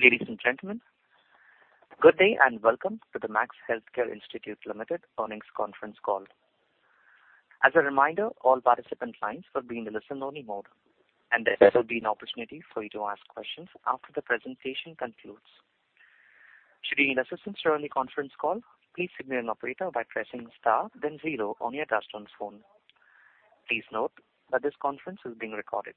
Ladies and gentlemen, good day and welcome to the Max Healthcare Institute Limited earnings conference call. As a reminder, all participant lines will be in a listen-only mode, and there will be an opportunity for you to ask questions after the presentation concludes. Should you need assistance during the conference call, please signal an operator by pressing star then zero on your touchtone phone. Please note that this conference is being recorded.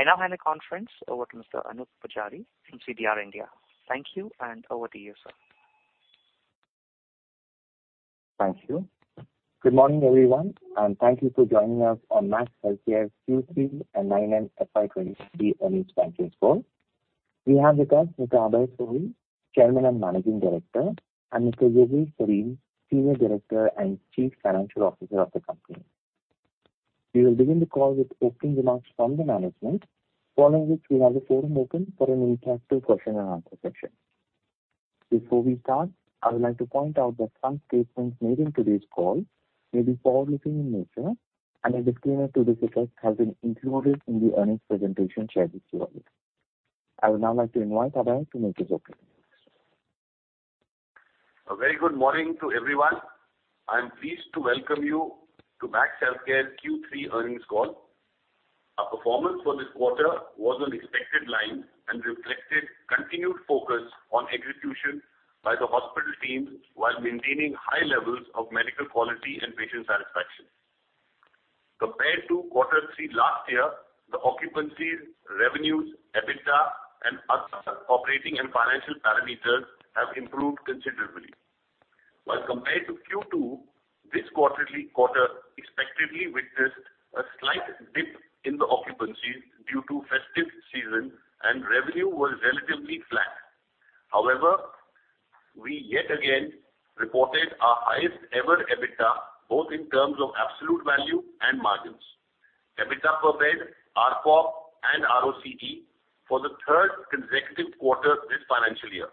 I now hand the conference over to Mr. Anoop Poojari from CDR India. Thank you, and over to you, sir. Thank you. Good morning, everyone, and thank you for joining us on Max Healthcare's Q3 and 9M FY23 earnings conference call. We have with us Mr. Abhay Soi, Chairman and Managing Director, and Mr. Yogesh Sareen, Senior Director and Chief Financial Officer of the company. We will begin the call with opening remarks from the management, following which we'll have the forum open for an interactive question and answer session. Before we start, I would like to point out that some statements made in today's call may be forward-looking in nature and a disclaimer to this effect has been included in the earnings presentation shared with you all. I would now like to invite Abhay to make his opening remarks. A very good morning to everyone. I'm pleased to welcome you to Max Healthcare Q3 earnings call. Our performance for this quarter was on expected lines and reflected continued focus on execution by the hospital teams while maintaining high levels of medical quality and patient satisfaction. Compared to quarter three last year, the occupancies, revenues, EBITDA, and other operating and financial parameters have improved considerably. While compared to Q2, this quarterly quarter expectedly witnessed a slight dip in the occupancy due to festive season and revenue was relatively flat. However, we yet again reported our highest ever EBITDA, both in terms of absolute value and margins. EBITDA per bed, ARPOB, and ROCE for the third consecutive quarter this financial year.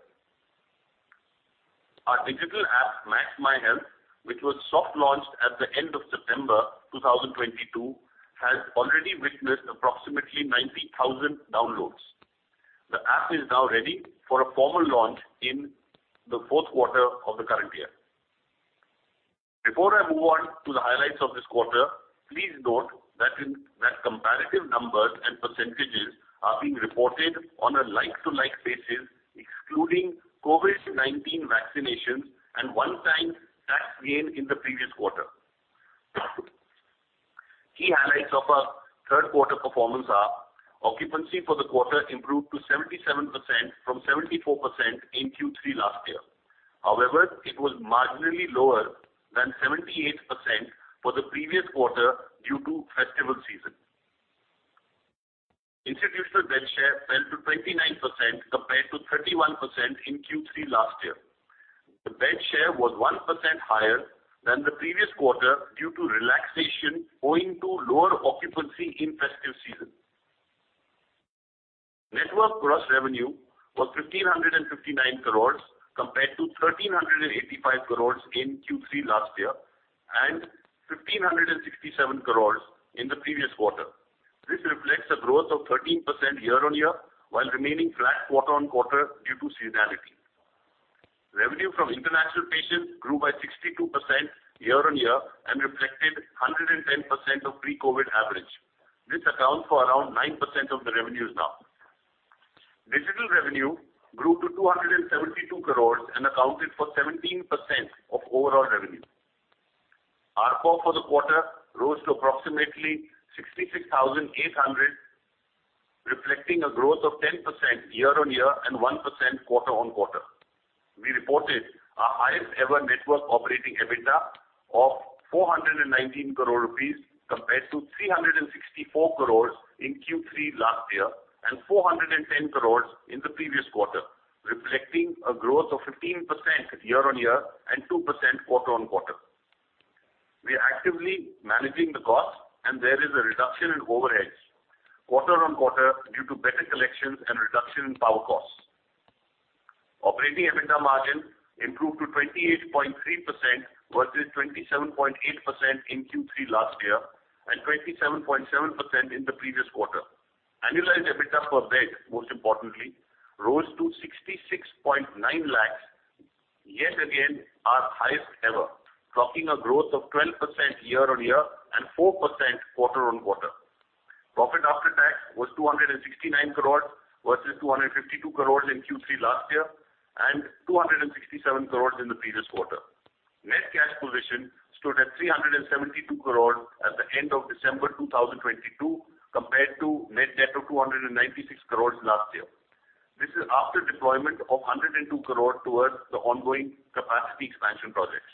Our digital app, Max MyHealth, which was soft-launched at the end of September 2022, has already witnessed approximately 90,000 downloads. The app is now ready for a formal launch in the fourth quarter of the current year. Before I move on to the highlights of this quarter, please note that comparative numbers and percentages are being reported on a like-to-like basis, excluding COVID-19 vaccinations and one-time tax gain in the previous quarter. Key highlights of our third quarter performance are occupancy for the quarter improved to 77% from 74% in Q3 last year. It was marginally lower than 78% for the previous quarter due to festival season. Institutional bed share fell to 29% compared to 31% in Q3 last year. The bed share was 1% higher than the previous quarter due to relaxation owing to lower occupancy in festive season. Network gross revenue was 1,559 crores compared to 1,385 crores in Q3 last year, and 1,567 crores in the previous quarter. This reflects a growth of 13% year-on-year, while remaining flat quarter-on-quarter due to seasonality. Revenue from international patients grew by 62% year-on-year and reflected 110% of pre-COVID average. This accounts for around 9% of the revenues now. Digital revenue grew to 272 crores and accounted for 17% of overall revenue. ARPOB for the quarter rose to approximately 66,800, reflecting a growth of 10% year-on-year and 1% quarter-on-quarter. We reported our highest ever network operating EBITDA of 419 crore rupees compared to 364 crore in Q3 last year, and 410 crore in the previous quarter, reflecting a growth of 15% year-on-year and 2% quarter-on-quarter. We are actively managing the costs and there is a reduction in overheads quarter-on-quarter due to better collections and reduction in power costs. Operating EBITDA margin improved to 28.3% versus 27.8% in Q3 last year, and 27.7% in the previous quarter. Annualized EBITDA per bed, most importantly, rose to 66.9 lakh, yet again our highest ever, clocking a growth of 12% year-on-year and 4% quarter-on-quarter. Profit after tax was 269 crores versus 252 crores in Q3 last year, and 267 crores in the previous quarter. Net cash position stood at 372 crores at the end of December 2022, compared to net debt of 296 crores last year. This is after deployment of 102 crores towards the ongoing capacity expansion projects.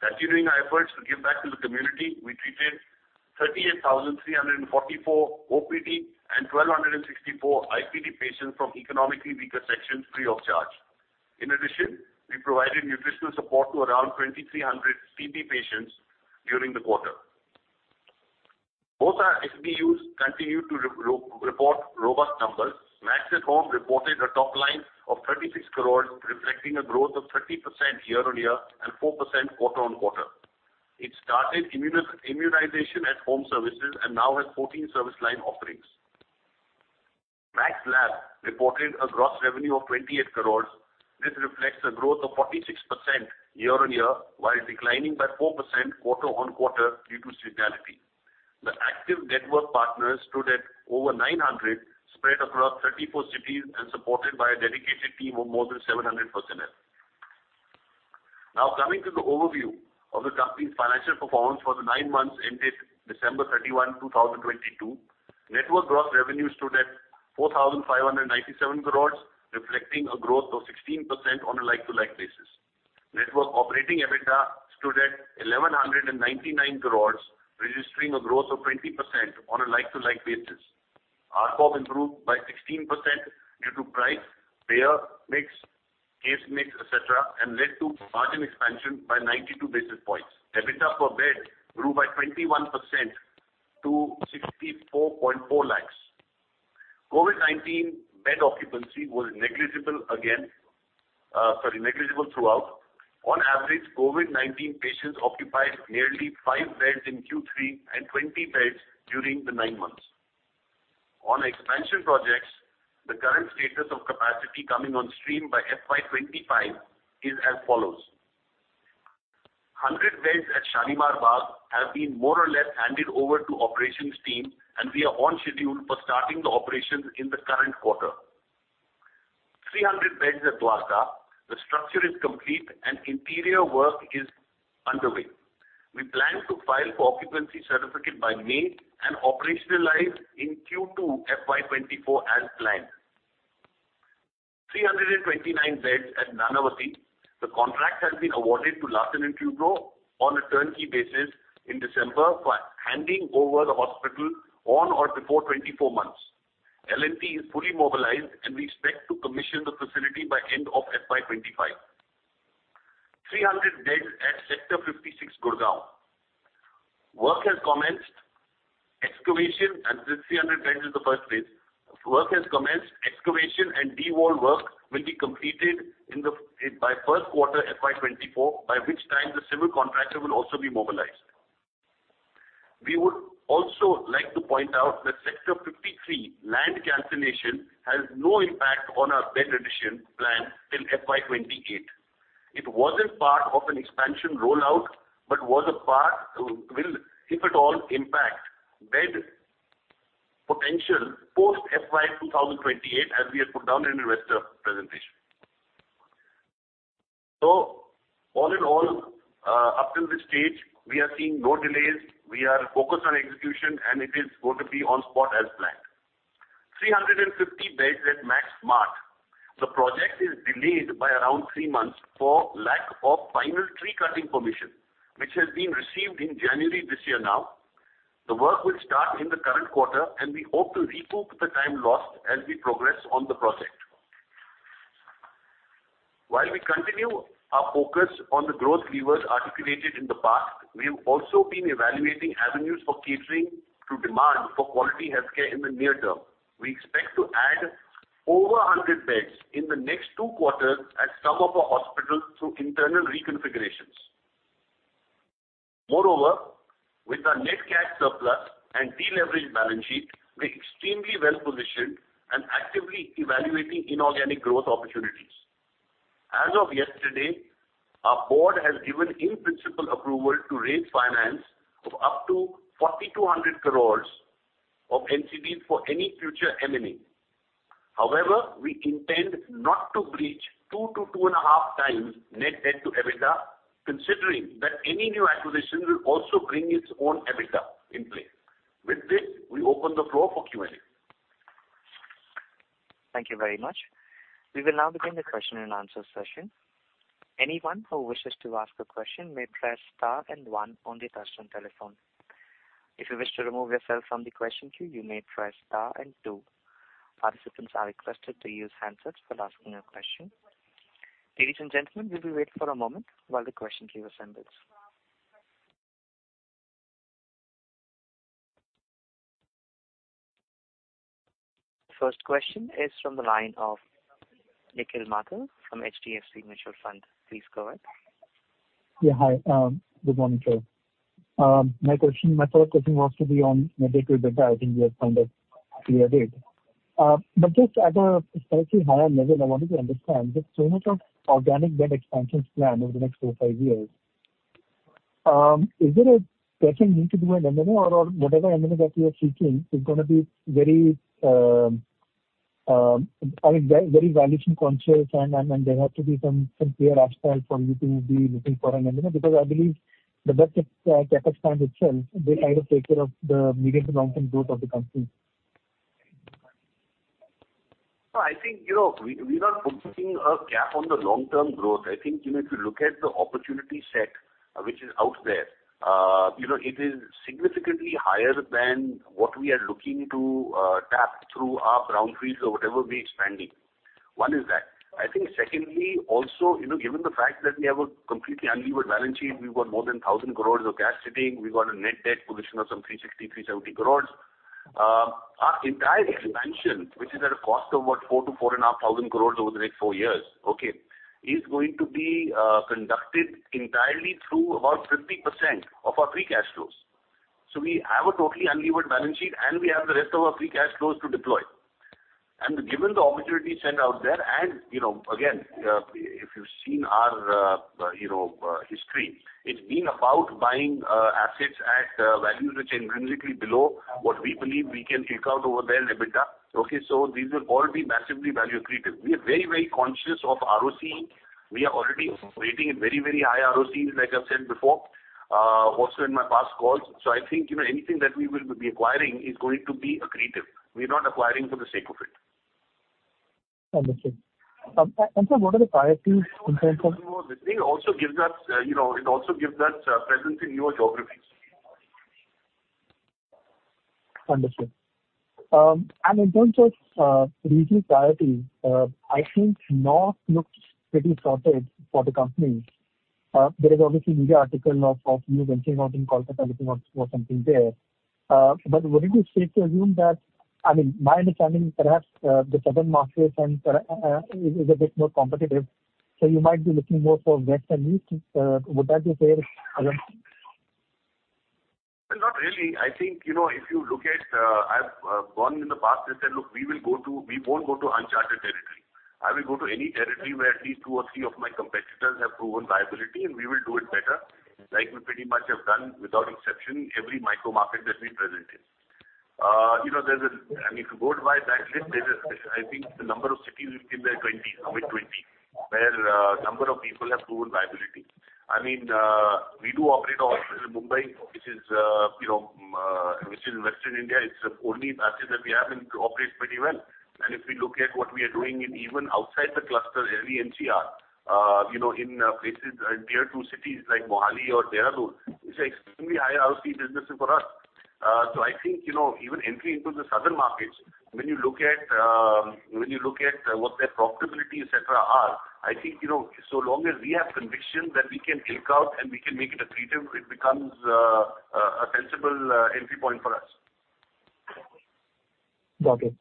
Continuing our efforts to give back to the community, we treated 38,344 OPD and 1,264 IPD patients from economically weaker sections free of charge. In addition, we provided nutritional support to around 2,300 CP patients during the quarter. Both our SBUs continued to report robust numbers. Max@Home reported a top line of 36 crore reflecting a growth of 30% year-on-year and 4% quarter-on-quarter. It started immunization at home services and now has 14 service line offerings. Max Lab reported a gross revenue of 28 crore. This reflects a growth of 46% year-on-year, while declining by 4% quarter-on-quarter due to seasonality. The active network partners stood at over 900, spread across 34 cities and supported by a dedicated team of more than 700 personnel. Coming to the overview of the company's financial performance for the nine months ended December 31, 2022. Network gross revenue stood at 4,597 crore reflecting a growth of 16% on a like-to-like basis. Network operating EBITDA stood at 1,199 crore registering a growth of 20% on a like-to-like basis. RPOB improved by 16% due to price, payer mix, case mix, etc, and led to margin expansion by 92 basis points. EBITDA per bed grew by 21% to 64.4 lakhs. COVID-19 bed occupancy was negligible throughout. On average, COVID-19 patients occupied nearly five beds in Q3 and 20 beds during the nine months. On expansion projects, the current status of capacity coming on stream by FY25 is as follows. 100 beds at Shalimar Bagh have been more or less handed over to operations team, and we are on schedule for starting the operations in the current quarter. 300 beds at Dwarka, the structure is complete and interior work is underway. We plan to file for occupancy certificate by May and operationalize in Q2 FY24 as planned. 329 beds at Nanavati. The contract has been awarded to Larsen & Toubro on a turnkey basis in December for handing over the hospital on or before 24 months. L&T is fully mobilized, and we expect to commission the facility by end of FY 25. 300 beds at Sector 56, Gurgaon. Work has commenced, excavation, and this 300 beds is the first phase. Work has commenced, excavation and d-wall work will be completed by first quarter FY 24, by which time the civil contractor will also be mobilized. We would also like to point out that Sector 53 land cancellation has no impact on our bed addition plan till FY 28. It wasn't part of an expansion rollout, but will, if at all, impact bed potential post FY 2028, as we have put down in investor presentation. All in all, up till this stage, we are seeing no delays. We are focused on execution, and it is going to be on spot as planned. 350 beds at Max Smart. The project is delayed by around three months for lack of final tree cutting permission, which has been received in January this year now. The work will start in the current quarter, and we hope to recoup the time lost as we progress on the project. While we continue our focus on the growth levers articulated in the past, we have also been evaluating avenues for catering to demand for quality healthcare in the near term. We expect to add over 100 beds in the next two quarters at some of our hospitals through internal reconfigurations. Moreover, with our net cash surplus and deleveraged balance sheet, we're extremely well-positioned and actively evaluating inorganic growth opportunities. As of yesterday, our board has given in-principle approval to raise finance of up to 4,200 crores of NCDs for any future M&A. However, we intend not to breach 2 to 2.5 times net debt to EBITDA, considering that any new acquisition will also bring its own EBITDA in place. With this, we open the floor for Q&A. Thank you very much. We will now begin the question and answer session. Anyone who wishes to ask a question may press star and one on their touchtone telephone. If you wish to remove yourself from the question queue, you may press star and two. Participants are requested to use handsets when asking a question. Ladies and gentlemen, we will wait for a moment while the question queue assembles. First question is from the line of Nikhil Mahajan from HDFC Mutual Fund. Please go ahead. Yeah, hi, good morning to all. My question, my third question was to be on medical data. I think we have kind of cleared it. Just at a slightly higher level, I wanted to understand that so much of organic bed expansions planned over the next 4, 5 years, is there a pressing need to do an M&A or whatever M&A that you are seeking is gonna be very, I mean, very, very valuation conscious and there have to be some clear upside for you to be looking for an M&A because I believe the best of CapEx plan itself will kind of take care of the medium to long term growth of the company. I think, you know, we're not focusing a cap on the long-term growth. I think, you know, if you look at the opportunity set which is out there, you know, it is significantly higher than what we are looking to tap through our brownfields or whatever we're expanding. One is that. I think secondly, also, you know, given the fact that we have a completely unlevered balance sheet, we've got more than 1,000 crores of cash sitting. We've got a net debt position of some 360 crores-370 crores. Our entire expansion, which is at a cost of what? 4,000 crores-4,500 crores over the next 4 years, okay, is going to be conducted entirely through about 50% of our free cash flows. We have a totally unlevered balance sheet, and we have the rest of our free cash flows to deploy. Given the opportunity set out there and, you know, again, if you've seen our, you know, history, it's been about buying assets at values which are intrinsically below what we believe we can kick out over their EBITDA. These will all be massively value accretive. We are very, very conscious of ROCE. We are already creating very, very high ROCEs, like I've said before, also in my past calls. I think, you know, anything that we will be acquiring is going to be accretive. We're not acquiring for the sake of it. Understood. Sir, what are the priorities in terms of. It also gives us, you know, it also gives us presence in newer geographies. Understood. In terms of regional priority, I think North looks pretty sorted for the company. There is obviously media article of you venturing out in Kolkata, looking out for something there. But would it be safe to assume that I mean, my understanding, perhaps, the southern markets and is a bit more competitive, so you might be looking more for West and East. Would that be a fair assumption? Not really. I think, you know, if you look at, I've gone in the past and said, "Look, we won't go to uncharted territory. I will go to any territory where at least two or three of my competitors have proven viability, and we will do it better." Like we pretty much have done, without exception, every micro market that we present in. You know, if you go by that list, I think the number of cities will be in the 20s, mid-20, where a number of people have proven viability. I mean, we do operate out of Mumbai, which is, you know, which is western India. It's the only asset that we have, and it operates pretty well. If we look at what we are doing in even outside the cluster, early NCR, you know, in places, tier 2 cities like Mohali or Dehradun, it's extremely high ROCE businesses for us. I think, you know, even entry into the southern markets, when you look at, when you look at, what their profitability, etc, are, I think, you know, so long as we have conviction that we can kick out and we can make it accretive, it becomes a sensible entry point for us. Got it.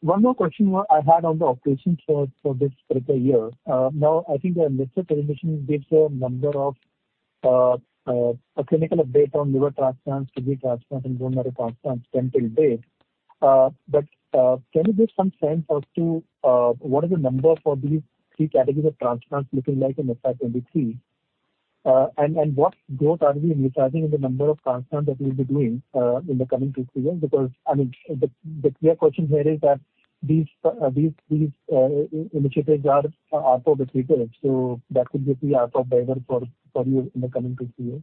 One more question I had on the operations for this particular year. Now, I think there are mixed information based on number of clinical update on liver transplants, kidney transplants and bone marrow transplants done till date. Can you give some sense as to what is the number for these three categories of transplants looking like in FY 23? What growth are we envisaging in the number of transplants that we'll be doing in the coming 2-3 years? Because, I mean, the clear question here is that these initiatives are for the future, so that could be a top driver for you in the coming 2-3 years.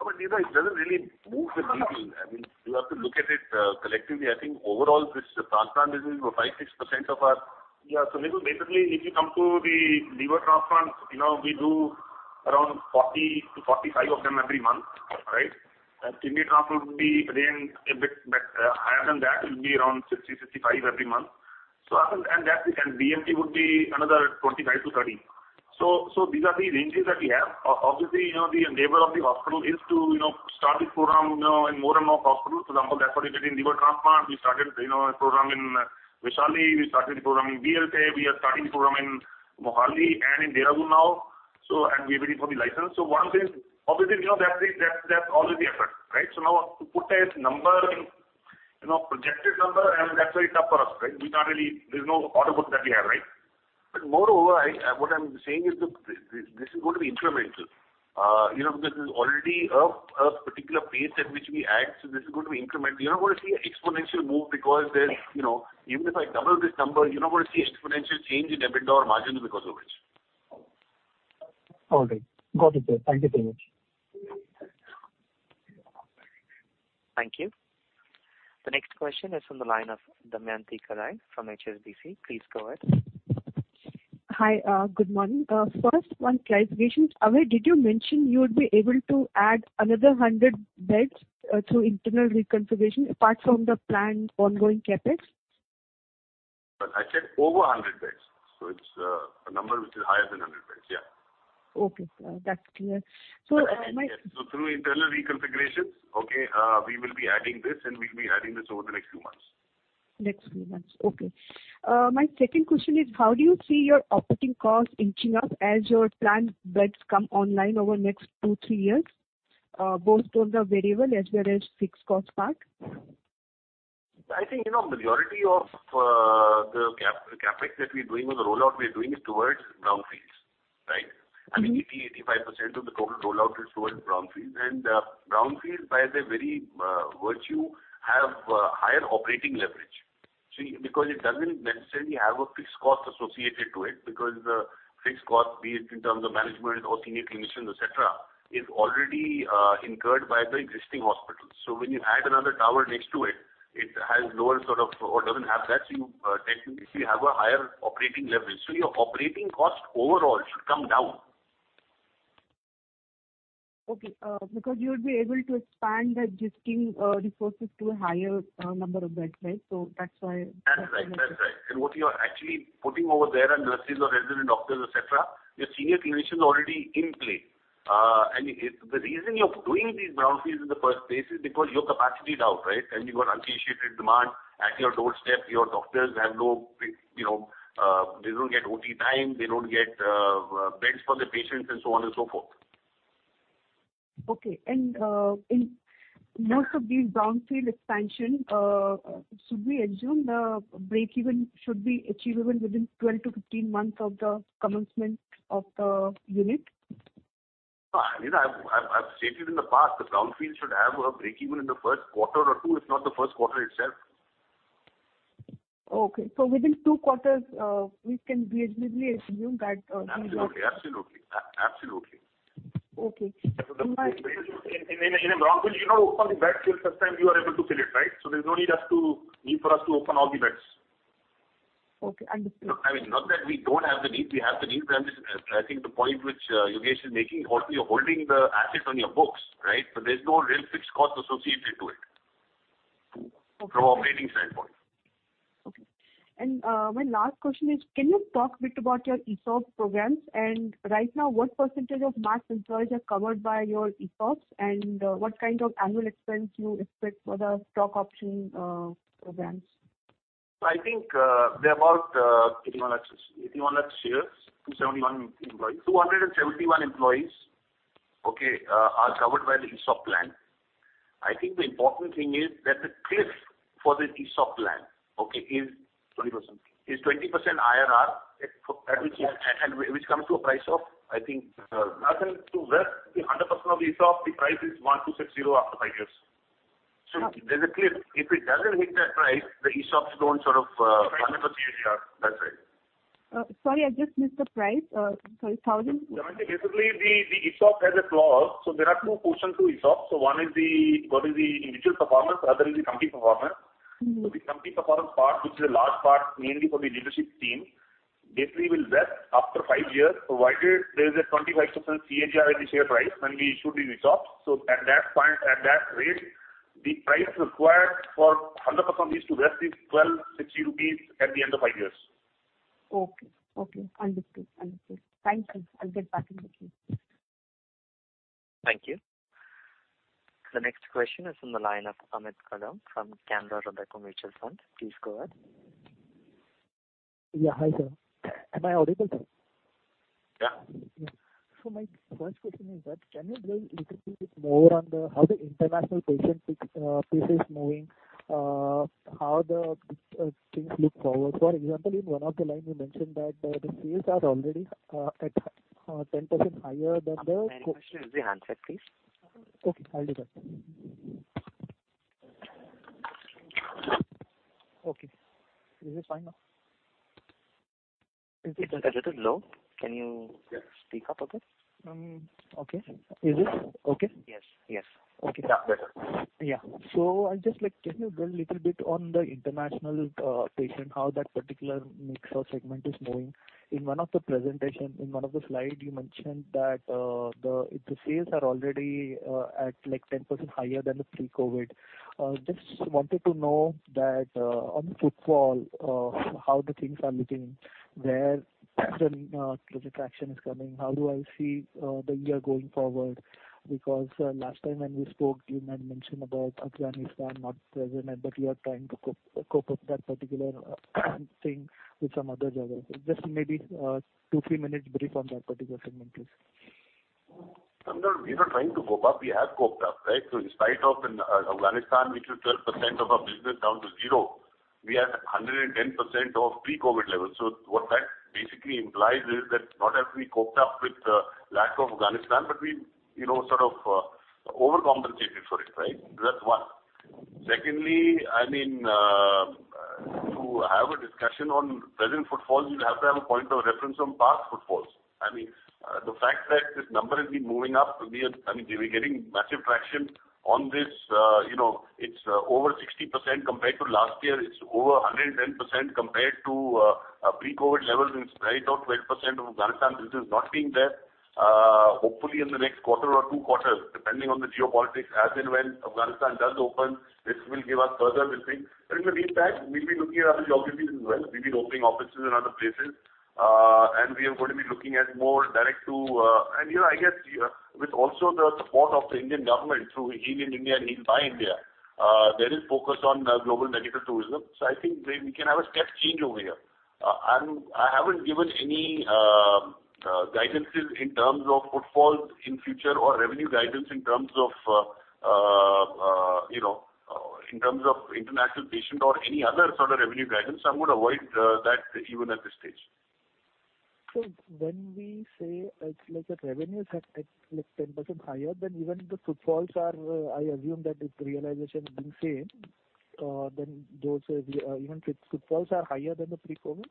No, but Nikhil, it doesn't really move the needle. I mean, you have to look at it collectively. I think overall this transplant business is 5%-6% of our... Yeah. Nikhil, basically, if you come to the liver transplant, you know, we do around 40-45 of them every month, right? Kidney transplant would be again a bit higher than that, it will be around 60-65 every month. BMT would be another 25-30. These are the ranges that we have. Obviously, you know, the endeavor of the hospital is to, you know, start this program, you know, in more and more hospitals. For example, that's what we did in liver transplant. We started, you know, a program in Vaishali. We started the program in BLK. We are starting program in Mohali and in Dehradun now. We are waiting for the license. One thing, obviously, you know, that's always the effort, right? Now to put a number, you know, projected number, that's very tough for us, right? There's no order book that we have, right? Moreover, I, what I'm saying is that this is going to be incremental. You know, this is already a particular pace at which we add, so this is going to be incremental. You're not gonna see an exponential move because there's, you know, even if I double this number, you're not gonna see exponential change in EBITDA or margins because of it. All right. Got it, sir. Thank you so much. Thank you. The next question is from the line of Damayanti Kerai from HSBC. Please go ahead. Hi. Good morning. First, one clarification. Abhay, did you mention you would be able to add another 100 beds through internal reconfiguration apart from the planned ongoing CapEx? I said over 100 beds. It's a number which is higher than 100 beds. Yeah. Okay, sir. That's clear. Through internal reconfigurations, okay, we will be adding this, and we'll be adding this over the next few months. Next few months. Okay. My second question is how do you see your operating costs inching up as your planned beds come online over the next two, three years, both towards the variable as well as fixed cost part? I think, you know, majority of the CapEx that we're doing or the rollout we are doing is towards brownfields, right? I mean, 80-85% of the total rollout is towards brownfields. Brownfields, by their very virtue, have higher operating leverage. See, because it doesn't necessarily have a fixed cost associated to it, because the fixed cost, be it in terms of management or senior clinicians, etc, is already incurred by the existing hospitals. When you add another tower next to it has lower sort of or doesn't have that. You technically have a higher operating leverage. Your operating cost overall should come down. Okay. because you would be able to expand the existing, resources to a higher, number of beds, right? that's why. That's right. That's right. What you are actually putting over there are nurses or resident doctors, etc. Your senior clinician is already in place. If the reason you're doing these brownfields in the first place is because you're capacity down, right? You got uninitiated demand at your doorstep. Your doctors have no, you know, they don't get OT time, they don't get beds for the patients and so on and so forth. Okay. In most of these brownfield expansion, should we assume the breakeven should be achievable within 12 to 15 months of the commencement of the unit? You know, I've stated in the past, the brownfield should have a breakeven in the first quarter or two, if not the first quarter itself. Okay. Within two quarters, we can reasonably assume that... Absolutely. Okay. In a brownfield, you know all the beds till such time you are able to fill it, right? There's no need for us to open all the beds. Okay, understood. I mean, not that we don't have the need. We have the need. I think the point which, Yogesh is making, also you're holding the assets on your books, right? There's no real fixed cost associated to it. Okay. from operating standpoint. Okay. My last question is, can you talk a bit about your ESOP programs? Right now, what % of Max employees are covered by your ESOPs, and what kind of annual expense you expect for the stock option programs? I think they're about 81 and 60 years. 271 employees, okay, are covered by the ESOP plan. I think the important thing is that the cliff for the ESOP plan, okay, is 20%. Is 20% IRR, which comes to a price of, I think, nothing to where the 100% of ESOP, the price is 1,260 after 5 years. There's a cliff. If it doesn't hit that price, the ESOPs don't sort of fund the CAGR. That's it. Sorry, I just missed the price. Sorry. Basically, the ESOP has a clause. There are two portions to ESOP. One is the individual performance, other is the company performance. Mm-hmm. The company performance part, which is a large part mainly for the leadership team, basically will vest after five years, provided there is a 25% CAGR in the share price when we issue the ESOPs. At that rate, the price required for 100% is to vest is 1,260 rupees at the end of five years. Okay. Okay. Understood. Understood. Thank you. I'll get back in the queue. Thank you. The next question is from the line of Amit Kadam from Canara Robeco Mutual Fund. Please go ahead. Yeah, hi, sir. Am I audible? Yeah. My first question is that, can you build a little bit more on how the international patient fix piece is moving, how the things look forward. For example, in one of the line you mentioned that, the fees are already at 10% higher than the. I'm sorry. Question is the handset, please. Okay, I'll do that. Okay. Is it fine now? It's a little low. Can you speak up a bit? Okay. Is this okay? Yes. Yes. Okay. Yeah, better. Yeah. I'd just like, can you build a little bit on the international patient, how that particular mix or segment is moving. In one of the slide, you mentioned that the sales are already at 10% higher than the pre-COVID. Just wanted to know that on footfall, how the things are looking, where the traction is coming, how do I see the year going forward? Last time when we spoke, you had mentioned about Afghanistan not present, but you are trying to cope up that particular thing with some other drivers. Just maybe two, three minutes brief on that particular segment, please. We're not trying to cope up. We have coped up, right? In spite of in Afghanistan, which is 12% of our business down to zero, we are at 110% of pre-COVID levels. What that basically implies is that not have we coped up with the lack of Afghanistan, but we, you know, sort of, overcompensated for it, right? That's one. Secondly, I mean, to have a discussion on present footfalls, you have to have a point of reference on past footfalls. I mean, the fact that this number has been moving up, I mean, we're getting massive traction on this. You know, it's over 60% compared to last year. It's over 110% compared to pre-COVID levels in spite of 12% of Afghanistan business not being there. Hopefully in the next quarter or two quarters, depending on the geopolitics as and when Afghanistan does open, this will give us further lifting. In the meantime, we'll be looking at other geographies as well. We've been opening offices in other places, and we are going to be looking at more direct to. And, you know, I guess, with also the support of the Indian government through Heal in India and Heal by India, there is focus on global medical tourism. I think we can have a step change over here. I haven't given any guidances in terms of footfalls in future or revenue guidance in terms of, you know, in terms of international patient or any other sort of revenue guidance. I would avoid that even at this stage. When we say, like the revenues have hit, like, 10% higher, then even the footfalls are, I assume that with realization being same, then those, even footfalls are higher than the pre-COVID?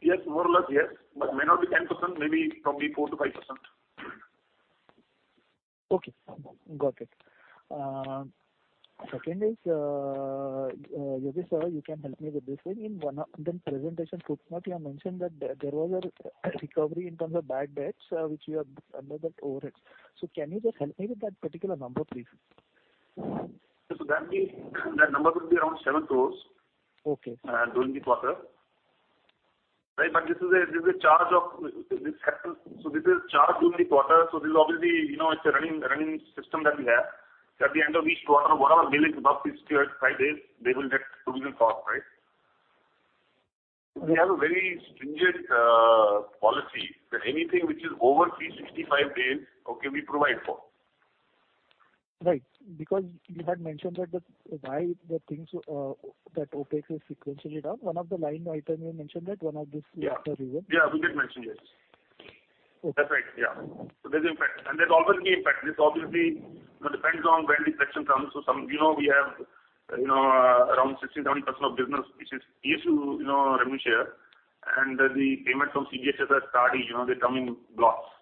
Yes, more or less, yes. May not be 10%, maybe probably 4%-5%. Okay. Got it. Second is, Yogesh, sir, you can help me with this one. In one of the presentation throughput, you have mentioned that there was a recovery in terms of bad debts, which you have under the overheads. Can you just help me with that particular number, please? That means that number would be around 7 crores. Okay. during the quarter. Right. This is a charge of this happens. This is charged during the quarter, so this is obviously, you know, it's a running system that we have. At the end of each quarter, whatever bill is above 365 days, they will get provisioned for, right? We have a very stringent policy that anything which is over 365 days, okay, we provide for. Right. Because you had mentioned that the, why the things, that OpEx is sequentially down. One of the line item you mentioned that one of this quarter reason. Yeah. Yeah, we did mention, yes. Okay. That's right, yeah. There's impact. There's always the impact. This obviously, you know, depends on when the section comes. Some, you know, we have, you know, around 60%, 70% of business which is issued, you know, revenue share. The payment from CGHS are steady, you know, they come in blocks.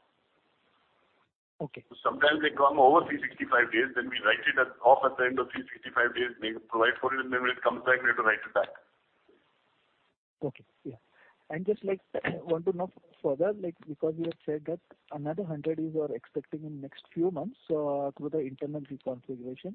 Okay. Sometimes they come over 365 days, then we write it off at the end of 365 days, we provide for it, and then when it comes back, we have to write it back. Okay. Yeah. Just like want to know further, like, because you had said that another 100 you are expecting in next few months through the internal reconfiguration.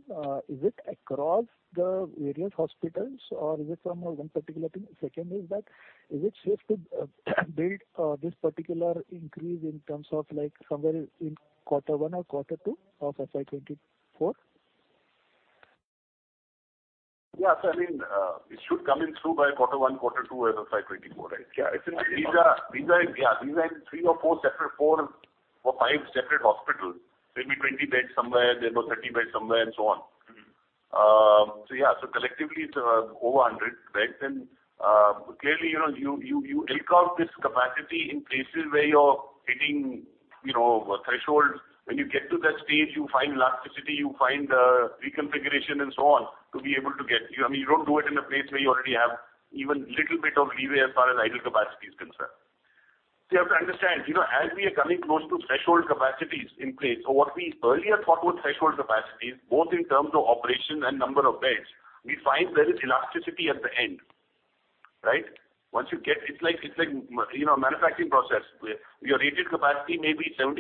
Is it across the various hospitals or is it from one particular thing? Second is that, is it safe to build this particular increase in terms of like somewhere in Q1 or Q2 of FY24? Yeah. I mean, it should come in through by quarter one, quarter two of FY 2024, right? Yeah. These are. Yeah, these are in four or five separate hospitals. There'll be 20 beds somewhere, there'll be 30 beds somewhere, and so on. Yeah. Collectively it's over 100 beds. Clearly, you know, you eke out this capacity in places where you're hitting, you know, thresholds. When you get to that stage, you find elasticity, you find reconfiguration and so on to be able to get... You know, I mean, you don't do it in a place where you already have even little bit of leeway as far as idle capacity is concerned. You have to understand, you know, as we are coming close to threshold capacities in place, what we earlier thought were threshold capacities, both in terms of operation and number of beds, we find there is elasticity at the end. Right? Once you get... It's like, you know, manufacturing process, where your rated capacity may be 75%.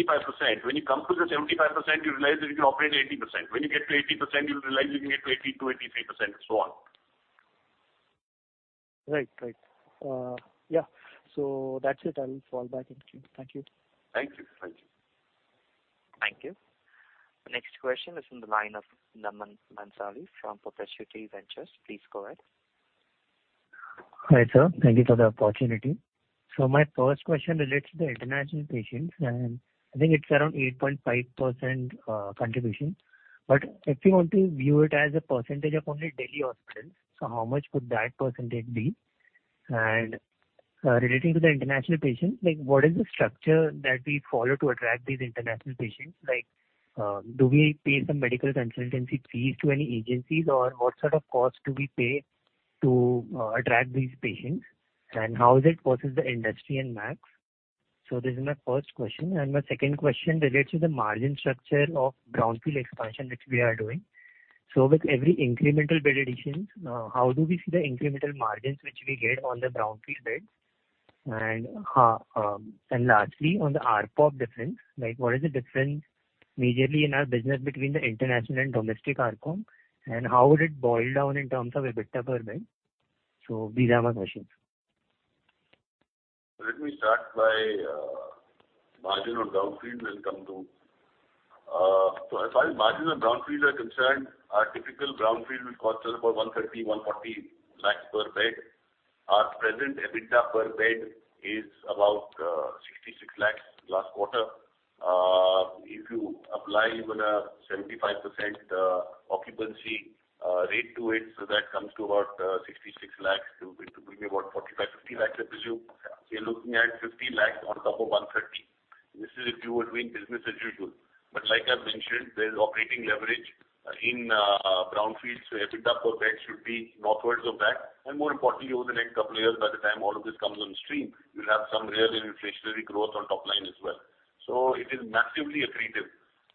When you come to the 75%, you realize that you can operate 80%. When you get to 80%, you'll realize you can get to 82%, 83%, and so on. Right. Right. Yeah. That's it. I will fall back. Thank you. Thank you. Thank you. Thank you. The next question is from the line of Naman Mansukhani from Proficient Investment Managers. Please go ahead. Hi, sir. Thank you for the opportunity. My first question relates to the international patients, and I think it's around 8.5% contribution. If you want to view it as a percentage of only Delhi hospitals, how much could that percentage be? Relating to the international patients, like, what is the structure that we follow to attract these international patients? Like, do we pay some medical consultancy fees to any agencies, or what sort of costs do we pay to attract these patients? How is it versus the industry and Max? This is my first question. My second question relates to the margin structure of brownfield expansion which we are doing. With every incremental bed additions, how do we see the incremental margins which we get on the brownfield beds? Lastly, on the ARPOB difference, like, what is the difference majorly in our business between the international and domestic ARPOB, and how would it boil down in terms of EBITDA per bed? These are my questions. Let me start by margin on brownfields, then come to. As far as margins on brownfields are concerned, our typical brownfield will cost us about 130 lakhs, 140 lakhs per bed. Our present EBITDA per bed is about 66 lakhs last quarter. If you apply even a 75% occupancy rate to it, that comes to about 66 lakhs. It will be about 45 lakhs, 50 lakhs I presume. We're looking at 50 lakhs on top of 130. This is if you were doing business as usual. Like I mentioned, there's operating leverage in brownfields, EBITDA per bed should be northwards of that. More importantly, over the next couple of years by the time all of this comes on stream, we'll have some real inflationary growth on top line as well. It is massively accretive.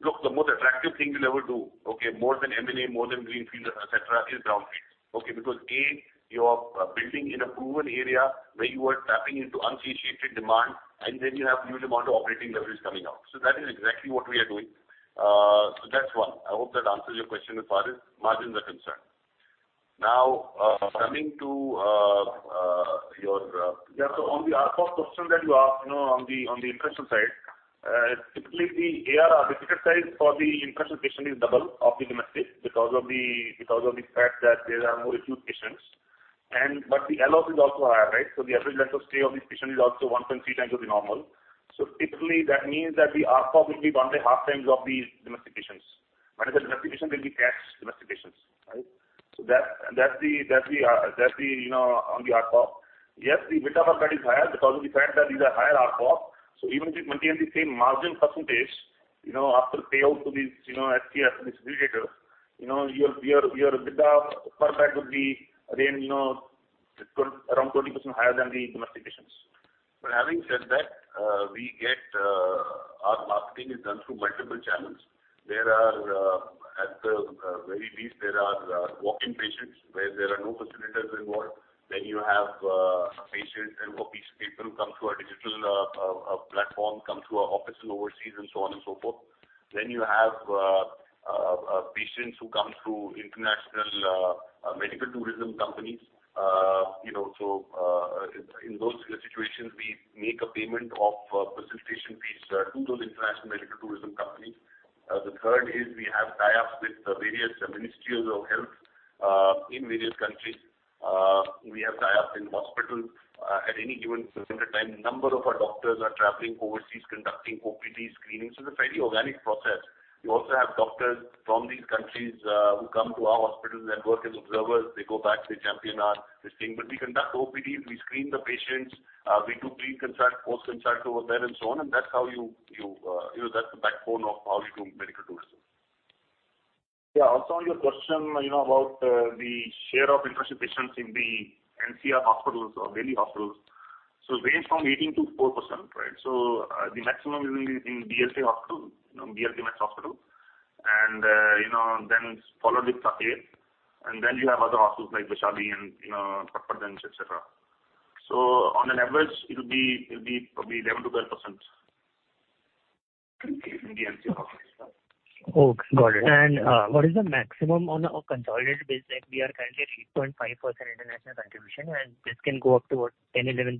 Look, the most attractive thing we'll ever do, okay, more than M&A, more than greenfield, etc, is brownfield, okay? Because, A, you are building in a proven area where you are tapping into unceasing demand, and then you have huge amount of operating leverage coming out. That is exactly what we are doing. That's one. I hope that answers your question as far as margins are concerned. Now, coming to Yeah. On the ARPOB question that you asked, you know, on the, on the international side, typically the ticket size for the international patient is double of the domestic because of the, because of the fact that there are more acute patients. The LOS is also higher, right? The average length of stay of these patients is also 1.3 times of the normal. Typically, that means that the ARPOB will be around the half times of the domestic patients. The domestic patients will be cash domestic patients, right? That, that's the, you know, on the ARPOB. Yes, the EBITDA per bed is higher because of the fact that these are higher ARPOB. Even if we maintain the same margin percentage, you know, after payout to these, you know, HCA and distributors, you know, your EBITDA per bed will be again, you know, around 20% higher than the domestic patients. Having said that, we get our marketing is done through multiple channels. There are, at the very least there are walk-in patients where there are no facilitators involved. You have a patient or people who come through our digital platform, come through our office overseas and so on and so forth. You have patients who come through international medical tourism companies. You know, so in those situations, we make a payment of a facilitation fees to those international medical tourism companies. The third is we have tie-ups with the various ministries of health in various countries. We have tie-ups in hospitals. At any given point of time, a number of our doctors are traveling overseas, conducting OPD screenings. It's a fairly organic process. We also have doctors from these countries who come to our hospitals and work as observers. They go back, they champion our this thing. We conduct OPDs, we screen the patients, we do pre-consult, post-consult over there, and so on. That's how you know, that's the backbone of how we do medical tourism. Yeah. Also on your question, you know, about the share of international patients in the NCR hospitals or Delhi hospitals. It range from 18%-4%, right? The maximum will be in DLF Hospital, you know, DLF Max Hospital, you know, then followed with Safdarjung, and then you have other hospitals like Vaishali and, you know, Patparganj and etc. On an average, it'll be probably 11%-12% in the NCR hospitals. Okay, got it. What is the maximum on a consolidated basis? We are currently at 8.5% international contribution, and this can go up to what, 10%-11%?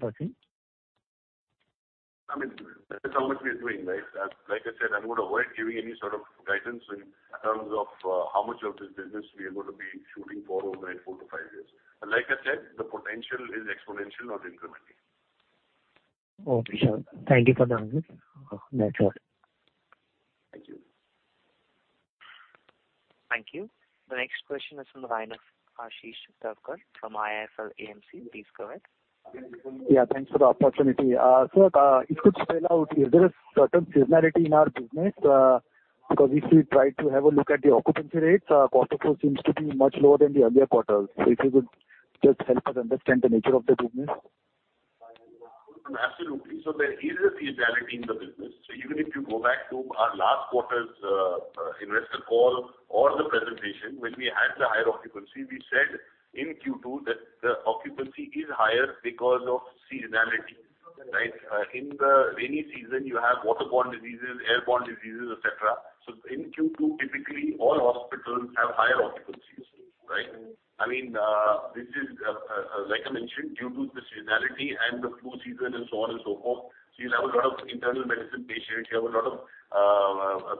I mean, that's how much we are doing, right? Like I said, I'm gonna avoid giving any sort of guidance in terms of, how much of this business we are going to be shooting for over the next four to five years. Like I said, the potential is exponential or incremental. Okay, sure. Thank you for the update. That's all. Thank you. Thank you. The next question is from the line of Ashish Thakkar from IIFL AMC. Please go ahead. Yeah, thanks for the opportunity. Sir, if you could spell out if there is certain seasonality in our business, because if we try to have a look at the occupancy rates, Q4 seems to be much lower than the earlier quarters. If you could just help us understand the nature of the business. Absolutely. There is a seasonality in the business. Even if you go back to our last quarter's investor call or the presentation, when we had the higher occupancy, we said in Q2 that the occupancy is higher because of seasonality, right? In the rainy season, you have waterborne diseases, airborne diseases, etc. In Q2, typically all hospitals have higher occupancies, right? I mean, this is, like I mentioned, due to the seasonality and the flu season and so on and so forth. You'll have a lot of internal medicine patients, you have a lot of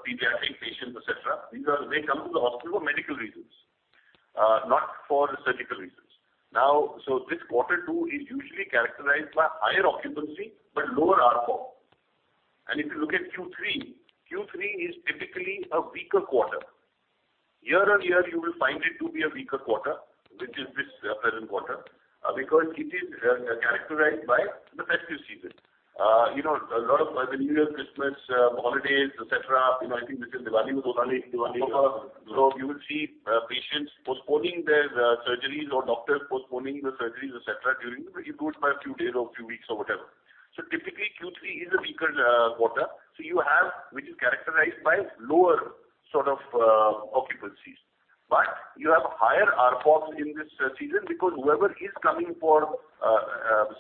pediatric patients, etc. They come to the hospital for medical reasons, not for surgical reasons. This quarter two is usually characterized by higher occupancy but lower ARPO. If you look at Q3 is typically a weaker quarter. Year-on-year, you will find it to be a weaker quarter, which is this present quarter, because it is characterized by the festive season. You know, a lot of the New Year, Christmas, holidays, etc. You know, I think this is Diwali was also late, Diwali. You will see patients postponing their surgeries or doctors postponing the surgeries, etc, during it goes by a few days or a few weeks or whatever. Typically Q3 is a weaker quarter. You have, which is characterized by lower sort of occupancies. You have higher ARPOs in this season because whoever is coming for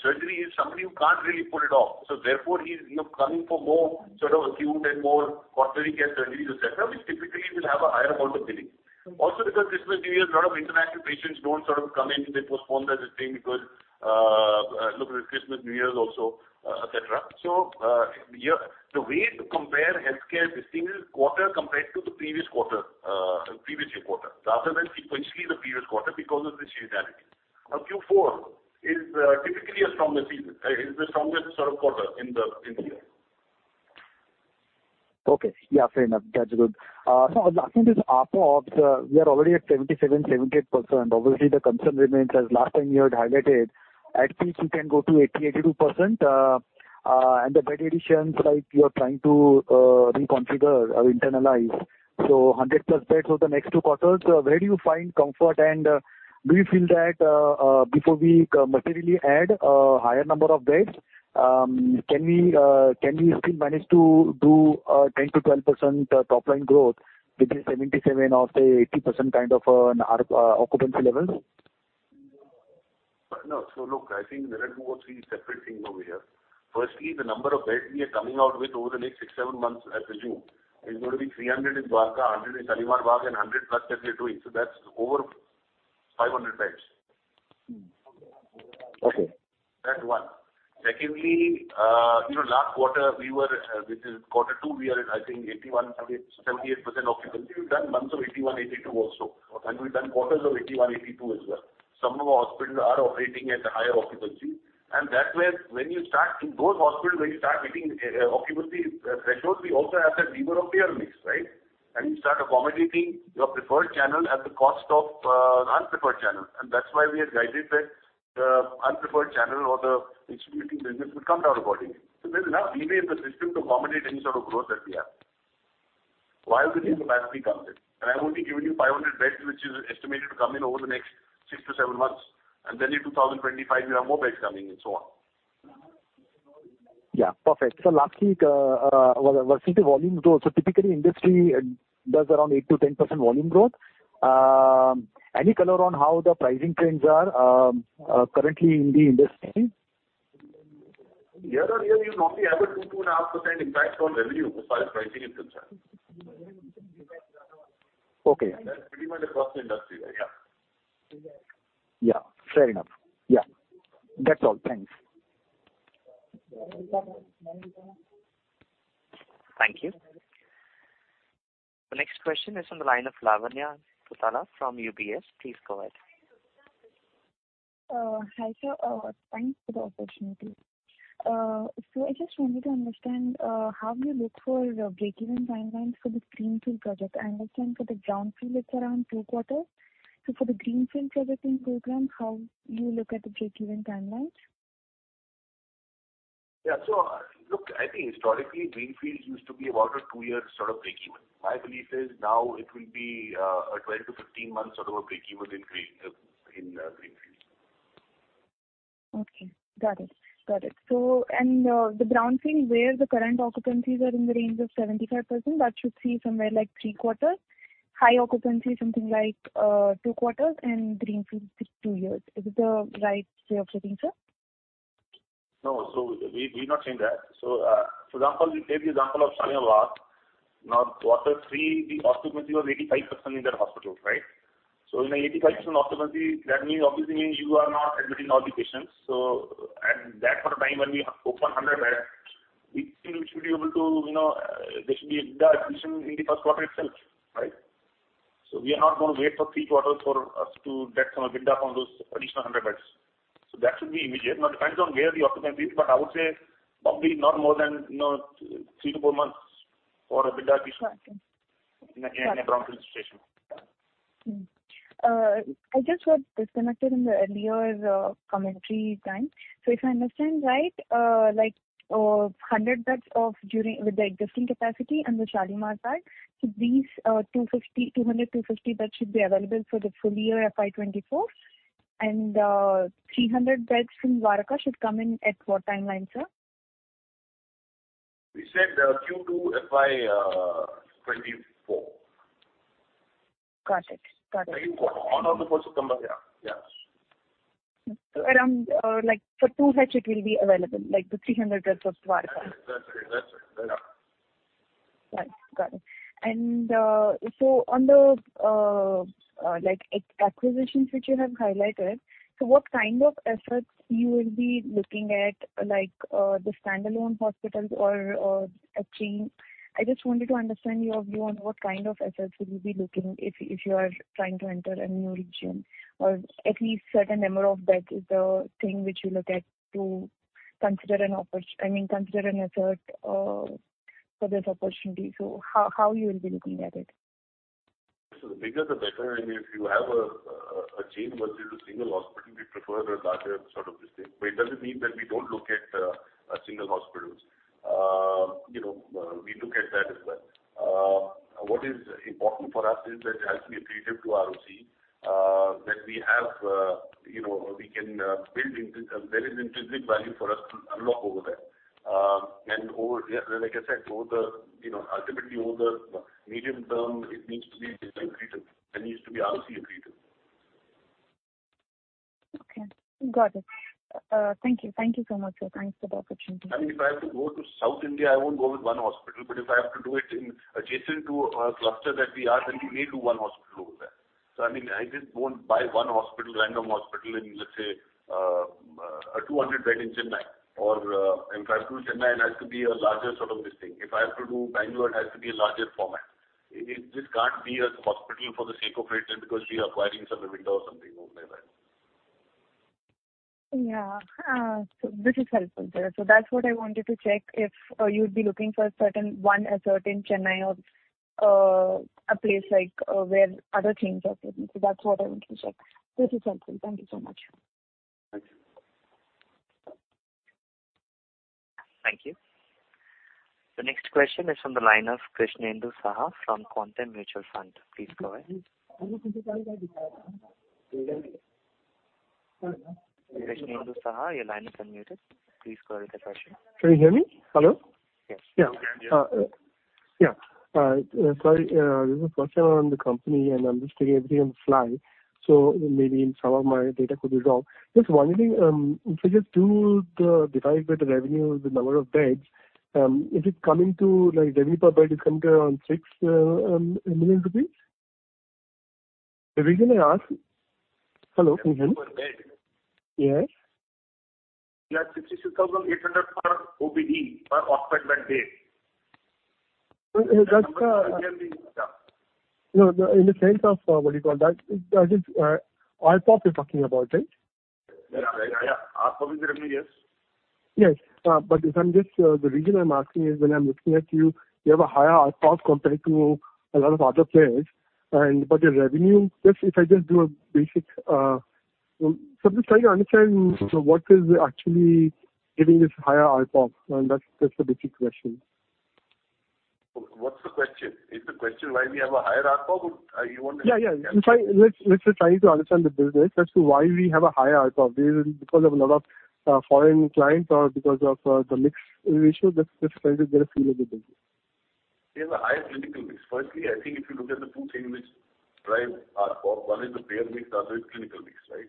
surgery is somebody who can't really put it off. Therefore he's, you know, coming for more sort of acute and more tertiary care surgeries, etc, which typically will have a higher amount of billing. Because Christmas, New Year's, a lot of international patients don't sort of come in. They postpone that this thing because look at Christmas, New Year's also, etc. Yeah, the way to compare healthcare this thing is quarter compared to the previous quarter, previous year quarter, rather than sequentially the previous quarter because of the seasonality. Q4 is typically a stronger season, is the strongest sort of quarter in the year. Okay. Yeah, fair enough. That's good. Last thing is ARPOB, we are already at 77%-78%. Obviously, the concern remains as last time you had highlighted at peak you can go to 80%-82%. The bed additions like you are trying to reconfigure or internalize. 100+ beds over the next two quarters. Where do you find comfort? Do you feel that before we materially add a higher number of beds, can we still manage to do 10%-12% top line growth with the 77% or say 80% kind of an occupancy levels? No, look, I think there are two or three separate things over here. Firstly, the number of beds we are coming out with over the next six, seven months, I presume, is going to be 300 in Dwarka, 100 in Shalimar Bagh, and 100 plus that we are doing. That's over 500 beds. Okay. That's one. Secondly, you know, last quarter we were, which is quarter two, we are I think 81%, 70%, 78% occupancy. We've done months of 81, 82 also. We've done quarters of 81, 82 as well. Some of our hospitals are operating at a higher occupancy. That's where in those hospitals, when you start hitting occupancy thresholds, we also have a lever of payer mix, right? You start accommodating your preferred channel at the cost of an unpreferred channel. That's why we had guided that the unpreferred channel or the distributing business will come down accordingly. There's enough leeway in the system to accommodate any sort of growth that we have while the new capacity comes in. I'm only giving you 500 beds, which is estimated to come in over the next 6-7 months. Then in 2025, we have more beds coming and so on. Yeah, perfect. Lastly, regarding the volume growth. Typically industry does around 8%-10% volume growth. Any color on how the pricing trends are currently in the industry? Year-on-year, you normally have a 2-2.5% impact on revenue as far as pricing is concerned. Okay. That's pretty much across the industry. Yeah. Yeah, fair enough. Yeah. That's all. Thanks. Thank you. The next question is from the line of Lavanya Pachisia from UBS. Please go ahead. Hi, sir. Thanks for the opportunity. I just wanted to understand, how do you look for the break-even timelines for the greenfield project? I understand for the brownfield it's around two quarters. For the greenfield projects in Gurugram, how you look at the break-even timelines? Yeah. Look, I think historically greenfield used to be about a two-year sort of break even. My belief is now it will be a 12 to 15 months sort of a break even in greenfield. Okay, got it. Got it. The brownfield, where the current occupancies are in the range of 75%, that should see somewhere like three quarters, high occupancy, something like two quarters and greenfield two years. Is it the right way of looking, sir? No. We're not saying that. For example, we take the example of Shalimar. Now, Q3, the occupancy was 85% in that hospital, right? In a 85% occupancy, that means, obviously means you are not admitting all the patients. For the time when we open 100 beds, we think we should be able to, you know, there should be the admission in the 1st quarter itself, right. We are not going to wait for three quarters for us to get some build up on those additional 100 beds. That should be immediate. Now, it depends on where the occupancy is, but I would say probably not more than, you know, 3-4 months for a build up- Got it. In a brownfield situation. I just got disconnected in the earlier commentary time. If I understand right, like 100 beds of during with the existing capacity and the Shalimar side. These 250, 200, 250 beds should be available for the full year FY2024. 300 beds from Dwarka should come in at what timeline, sir? We said, Q2 FY 2024. Got it. Got it. On or before September, yeah. Yes. Around, like for two halves it will be available, like the 300 beds of Dwarka. That's it. That's it. Yeah. Right. Got it. So on the like acquisitions which you have highlighted, so what kind of assets you will be looking at like the standalone hospitals or a chain? I just wanted to understand your view on what kind of assets will you be looking if you are trying to enter a new region or at least certain number of beds is the thing which you look at to consider, I mean, consider an asset for this opportunity. How you will be looking at it? The bigger the better. If you have a chain versus a single hospital, we prefer the larger sort of this thing. It doesn't mean that we don't look at single hospitals. You know, we look at that as well. What is important for us is that it has to be accretive to ROC that we have, you know, we can build intrinsic. There is intrinsic value for us to unlock over there. Like I said, over the, you know, ultimately over the medium term, it needs to be accretive. It needs to be ROC accretive. Okay, got it. Thank you. Thank you so much, sir. Thanks for the opportunity. I mean, if I have to go to South India, I won't go with one hospital. If I have to do it in adjacent to a cluster that we are, we may do one hospital over there. I mean, I just won't buy one hospital, random hospital in, let's say, a 200 bed in Chennai or, in fact to Chennai, it has to be a larger sort of this thing. If I have to do Bangalore, it has to be a larger format. It just can't be a hospital for the sake of it just because we are acquiring some EBITDA or something over there. Yeah. This is helpful, sir. That's what I wanted to check if you'd be looking for a certain one asset in Chennai or a place like where other chains are present. That's what I wanted to check. This is helpful. Thank you so much. Thank you. Thank you. The next question is from the line of Krishnendu Saha from Quant Mutual Fund. Please go ahead. Krishnendu Saha, your line is unmuted. Please go with the question. Can you hear me? Hello? Yes. Yeah. Yeah. Sorry, this is first time around the company, and I'm just taking everything on the fly, so maybe some of my data could be wrong. Just one thing, if I just do the divide by the revenue, the number of beds, is it coming to like revenue per bed is coming to around 6 million rupees? The reason I ask... Hello? Per bed? Yes. We are 66,800 per OPD per occupied bed day. That's, No, no, in the sense of what do you call that? That is ARPOB you're talking about, right? Yeah. ARPOB is revenue, yes. Yes. The reason I'm asking is when I'm looking at you have a higher ARPOB compared to a lot of other players and but your revenue, just if I just do a basic. I'm just trying to understand what is actually giving this higher ARPOB, and that's the basic question. What's the question? Is the question why we have a higher ARPOB? Yeah, yeah. Let's just try to understand the business as to why we have a higher ARPOB. Is it because of a lot of foreign clients or because of the mix ratio? Just trying to get a feel of the business. We have a higher clinical mix. I think if you look at the two things which drive ARPOB, one is the payer mix, the other is clinical mix, right?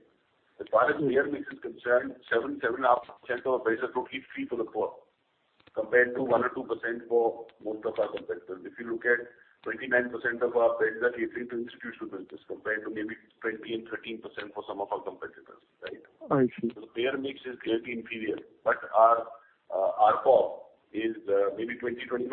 As far as the payer mix is concerned, 7.5% of our beds are totally fee-for-the-poor compared to 1% or 2% for most of our competitors. If you look at 29% of our beds are catering to institutional business compared to maybe 20% and 13% for some of our competitors, right? I see. Payer mix is clearly inferior, but our ARPOB is maybe 20%-25%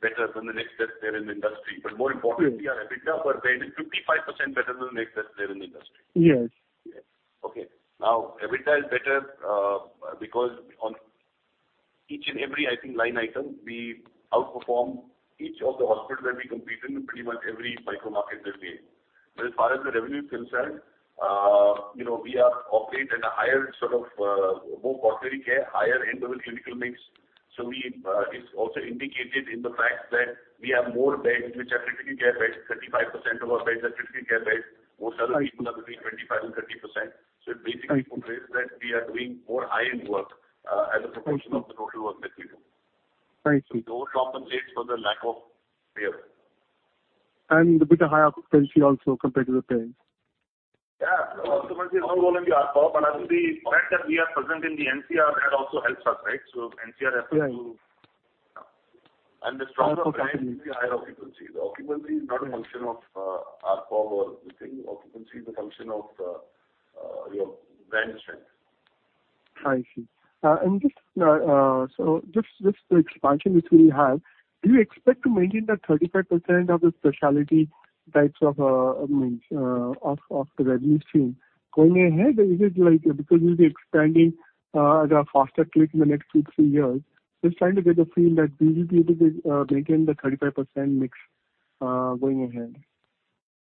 better than the next best payer in the industry. More importantly. Yes. Our EBITDA per bed is 55% better than the next best payer in the industry. Yes. Yes. Okay. EBITDA is better because on each and every, I think, line item, we outperform each of the hospitals that we compete in, pretty much every micro market that we're in. As far as the revenue is concerned, you know, we are operating at a higher sort of, more tertiary care, higher end of the clinical mix. It's also indicated in the fact that we have more beds which are critical care beds. 35% of our beds are critical care beds. Most other people have between 25% and 30%. I see. It basically portrays that we are doing more high-end work, as a proportion of the total work that we do. Thank you. Those compensate for the lack of payer. With a higher occupancy also compared to the payers. Yeah. No, occupancy has no role in the ARPOB. actually, the fact that we are present in the NCR, that also helps us, right? NCR has a few- Right. The stronger brands means the higher occupancy. The occupancy is not a function of ARPOB or anything. Occupancy is a function of your brand strength. I see. Just the expansion which we have, do you expect to maintain that 35% of the specialty types of, I mean, of the revenue stream going ahead? Is it like, because you'll be expanding at a faster clip in the next two, three years? Just trying to get a feel that will you be able to maintain the 35% mix going ahead.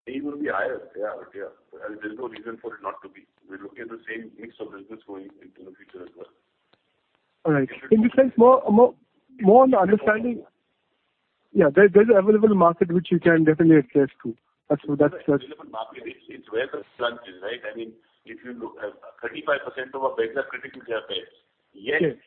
It will be higher. Yeah. Yeah. There's no reason for it not to be. We're looking at the same mix of business going into the future as well. All right. In this sense, more on the understanding. Yeah. There's available market which you can definitely access to. That's what. There's available market. It's where the crunch is, right? I mean, if you look at 35% of our beds are critical care beds. Yes. Where,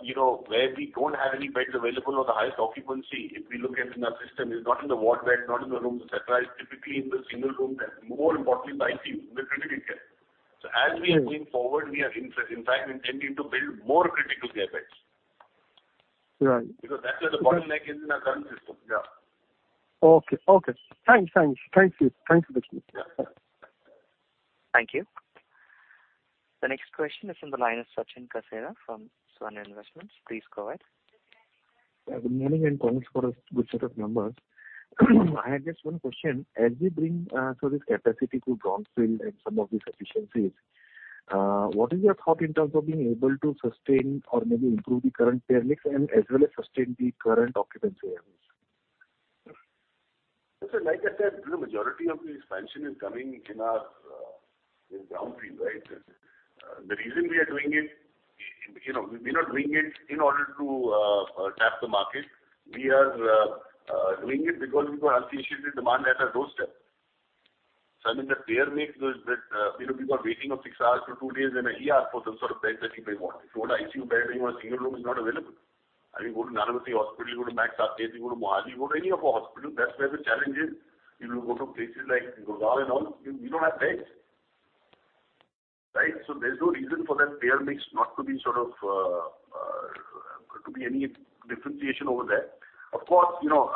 you know, we don't have any beds available or the highest occupancy, if we look at in our system, is not in the ward beds, not in the rooms, etc. It's typically in the single rooms and more importantly, ICUs, in the critical care. Yes. As we are moving forward, we are in fact intending to build more critical care beds. Right. That's where the bottleneck is in our current system. Yeah. Okay. Okay. Thanks. Thanks. Thank you. Thanks for the feedback. Thank you. The next question is from the line of Sachin Kasera from Svan Investments. Please go ahead. Good morning, and thanks for a good set of numbers. I had just one question. As we bring so this capacity to brownfield and some of these efficiencies, what is your thought in terms of being able to sustain or maybe improve the current payer mix and as well as sustain the current occupancy levels? Like I said, the majority of the expansion is coming in our in brownfield, right? The reason we are doing it, you know, we're not doing it in order to tap the market. We are doing it because we've got unceasing demand at our doorstep. I mean, the payer mix is that, you know, we've got waiting of six hours to two days in an ER for some sort of bed that you may want. If you want an ICU bed or you want a single room, it's not available. I mean, go to Nanavati Hospital, go to Max Super Specialty, go to Mohali, go to any of our hospitals, that's where the challenge is. You know, go to places like Gurgaon and all, you don't have beds. Right? There's no reason for that payer mix not to be sort of to be any differentiation over there. Of course, you know,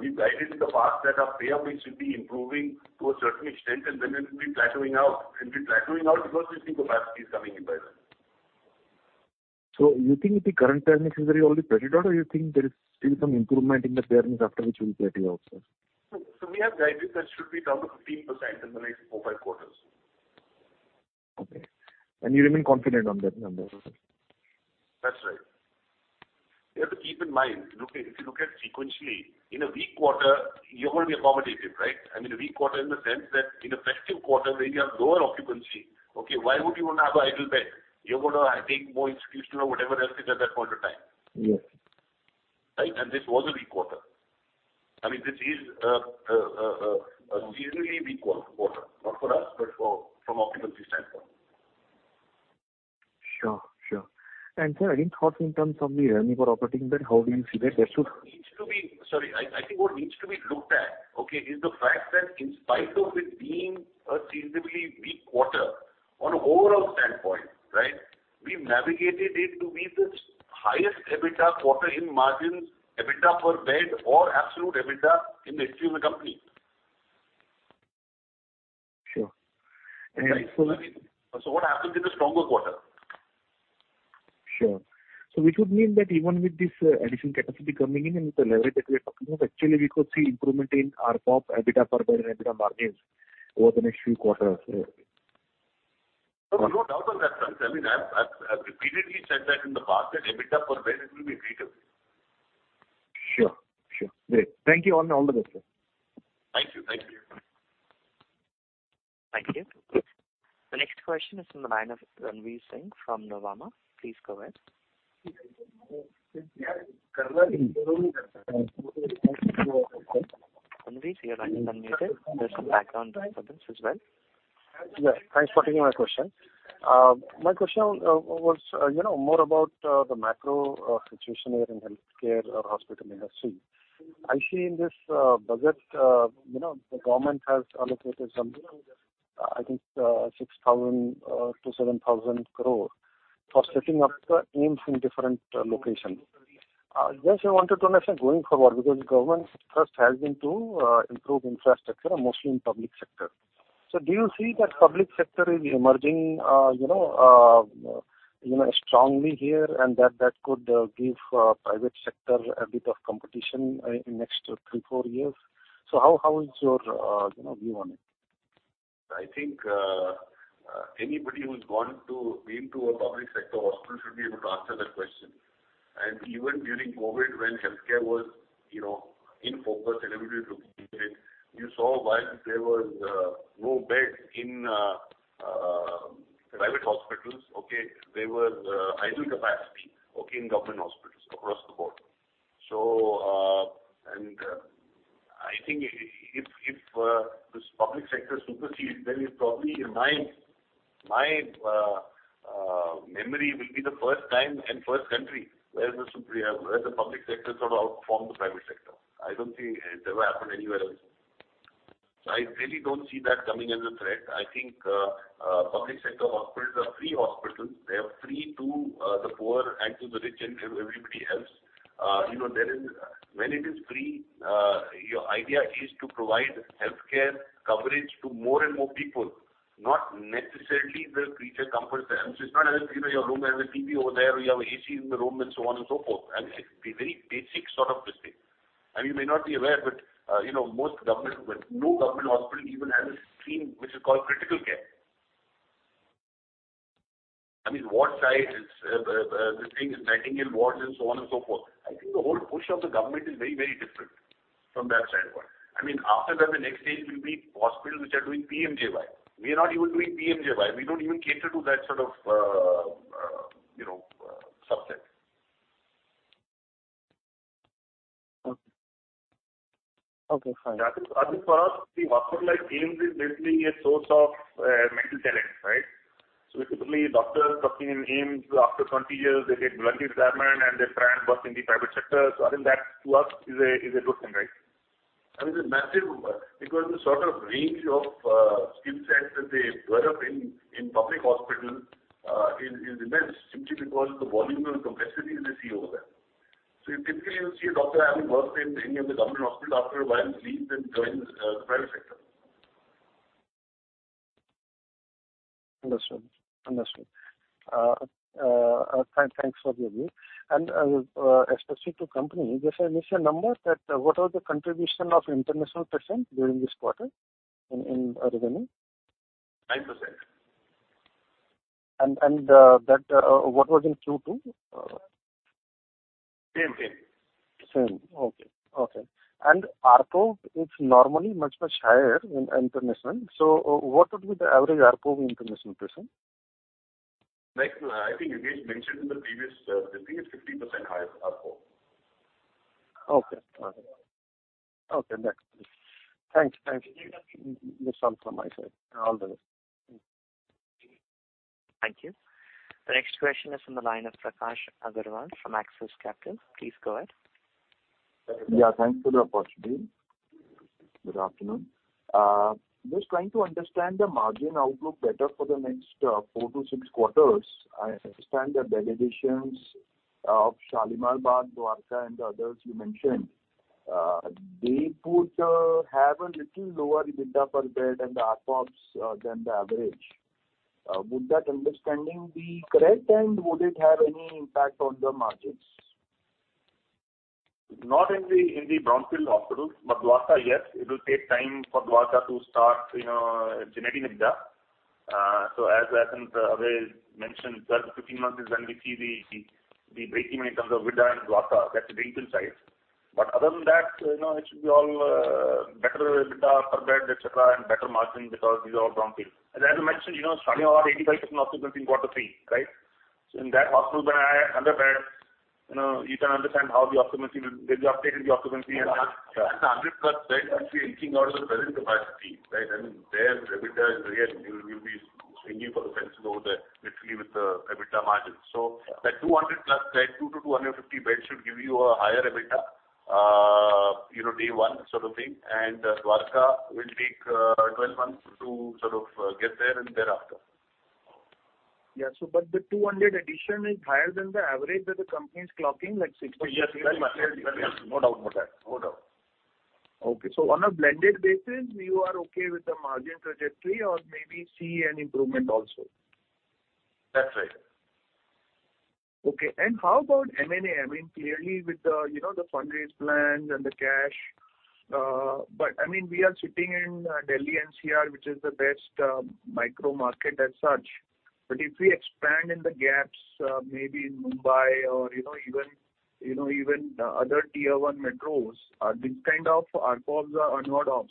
we've guided in the past that our payer mix should be improving to a certain extent, and then it'll be plateauing out. It'll be plateauing out because we see capacity is coming in by then. You think the current payer mix is very well pretty good, or you think there is still some improvement in the payer mix after which you will plateau out, sir? We have guided that should be down to 15% in the next four to five quarters. Okay. You remain confident on that number? That's right. You have to keep in mind, if you look at sequentially, in a weak quarter, you're going to be accommodative, right? I mean, a weak quarter in the sense that in a festive quarter where you have lower occupancy, okay, why would you want to have an idle bed? You're going to take more institutional or whatever else it is at that point of time. Yes. Right? This was a weak quarter. I mean, this is a seasonally weak quarter, not for us, but for, from occupancy standpoint. Sure. Sure. Sir, any thoughts in terms of the revenue per operating bed, how do you see that. I think what needs to be looked at, okay, is the fact that in spite of it being a seasonally weak quarter, on overall standpoint, right, we navigated it to be the highest EBITDA quarter in margins, EBITDA per bed or absolute EBITDA in the history of the company. Sure. What happens in a stronger quarter? Sure. Which would mean that even with this, additional capacity coming in and the leverage that we're talking of, actually we could see improvement in ARPOB, EBITDA per bed and EBITDA margins over the next few quarters, yeah. No doubt on that front. I mean, I've repeatedly said that in the past that EBITDA per bed is going to be great. Sure. Sure. Great. Thank you on the numbers, sir. Thank you. The next question is from the line of Sameer Singh from Nomura. Please go ahead. Sameer, your line is unmuted. There's some background noise for this as well. Yeah, thanks for taking my question. My question, you know, more about the macro situation here in healthcare or hospital industry. I see in this budget, you know, the government has allocated something, I think, 6,000-7,000 crore for setting up the AIIMS in different locations. Just I wanted to know actually going forward, because government's thrust has been to improve infrastructure mostly in public sector. Do you see that public sector is emerging, you know, strongly here, and that could give private sector a bit of competition in next 3-4 years? How is your, you know, view on it? I think anybody who's been to a public sector hospital should be able to answer that question. Even during COVID, when healthcare was, you know, in focus and everybody was looking at it, you saw while there was no bed in private hospitals, there was idle capacity in government hospitals across the board. I think if this public sector supersedes, then it's probably in my memory will be the first time and first country where the public sector sort of outperformed the private sector. I don't see it ever happen anywhere else. I really don't see that coming as a threat. I think public sector hospitals are free hospitals. They are free to the poor and to the rich and everybody else. You know, there is... When it is free, your idea is to provide healthcare coverage to more and more people, not necessarily the creature comforts. So it's not as if, you know, your room has a TV over there or you have AC in the room and so on and so forth. I mean, it's a very basic sort of pristine. You may not be aware, but, you know, most government, well, no government hospital even has a stream which is called critical care. I mean, ward size is, this thing is Nightingale wards and so on and so forth. I think the whole push of the government is very, very different from that standpoint. I mean, after that, the next stage will be hospitals which are doing PMJAY. We are not even doing PMJAY. We don't even cater to that sort of, you know, subject. Okay. Okay, fine. I think for us, the hospital like AIIMS is basically a source of medical talent, right? Typically doctors working in AIIMS, after 20 years, they get voluntary retirement and they try and work in the private sector. I think that to us is a good thing, right? I mean, it's a massive because the sort of range of skill sets that they develop in public hospitals is immense simply because the volume and complexity they see over there. You typically, you'll see a doctor having worked in the government hospital after a while leaves and joins the private sector. Understood. Understood. Thanks for the view. Specific to company, just initial numbers that what are the contribution of international patients during this quarter in revenue? 5%. That, what was in Q2? Same, same. Same. Okay. Okay. ARPO is normally much higher in international. What would be the average ARPO of international patient? Like, I think Yogesh mentioned in the previous, I think it's 50% higher ARPO. Okay. Okay. Okay, thanks. Thanks. That's all from my side. All the best. Thank you. The next question is from the line of Prakash Agarwal from Axis Capital. Please go ahead. Yeah, thanks for the opportunity. Good afternoon. Just trying to understand the margin outlook better for the next four to six quarters. I understand the delegations of Shalimar Bagh, Dwarka, and the others you mentioned. They could have a little lower EBITDA per bed and ARPOBs than the average. Would that understanding be correct, and would it have any impact on the margins? Not in the, in the brownfield hospitals. Dwarka, yes, it will take time for Dwarka to start, you know, generating EBITDA. As Abhay mentioned, 12 to 15 months is when we see the breakeven in terms of EBITDA in Dwarka. That's the greenfield side. Other than that, you know, it should be all better EBITDA per bed, etc, and better margin because these are all brownfield. As I mentioned, you know, Shalimar Bagh, 85% occupancy in quarter three, right? In that hospital, when I under bed, you know, you can understand how the occupancy will... They'll be updating the occupancy and the 100 plus beds actually eating out of the present capacity, right? I mean, their EBITDA is really... You'll be swinging for the fences over there literally with the EBITDA margins. That 200+ bed, 200-250 beds should give you a higher EBITDA, you know, day one sort of thing. Dwarka will take 12 months to sort of get there and thereafter. Yeah. But the 200 addition is higher than the average that the company is clocking, like 6%- Yes. No doubt about that. No doubt. Okay. On a blended basis, you are okay with the margin trajectory or maybe see an improvement also? That's right. Okay. How about M&A? I mean, clearly with the, you know, the fundraise plans and the cash. I mean, we are sitting in Delhi NCR, which is the best micro market as such. But if we expand in the gaps, maybe in Mumbai or, you know, even, you know, even the other tier one metros, these kind of ARPOVs are not up.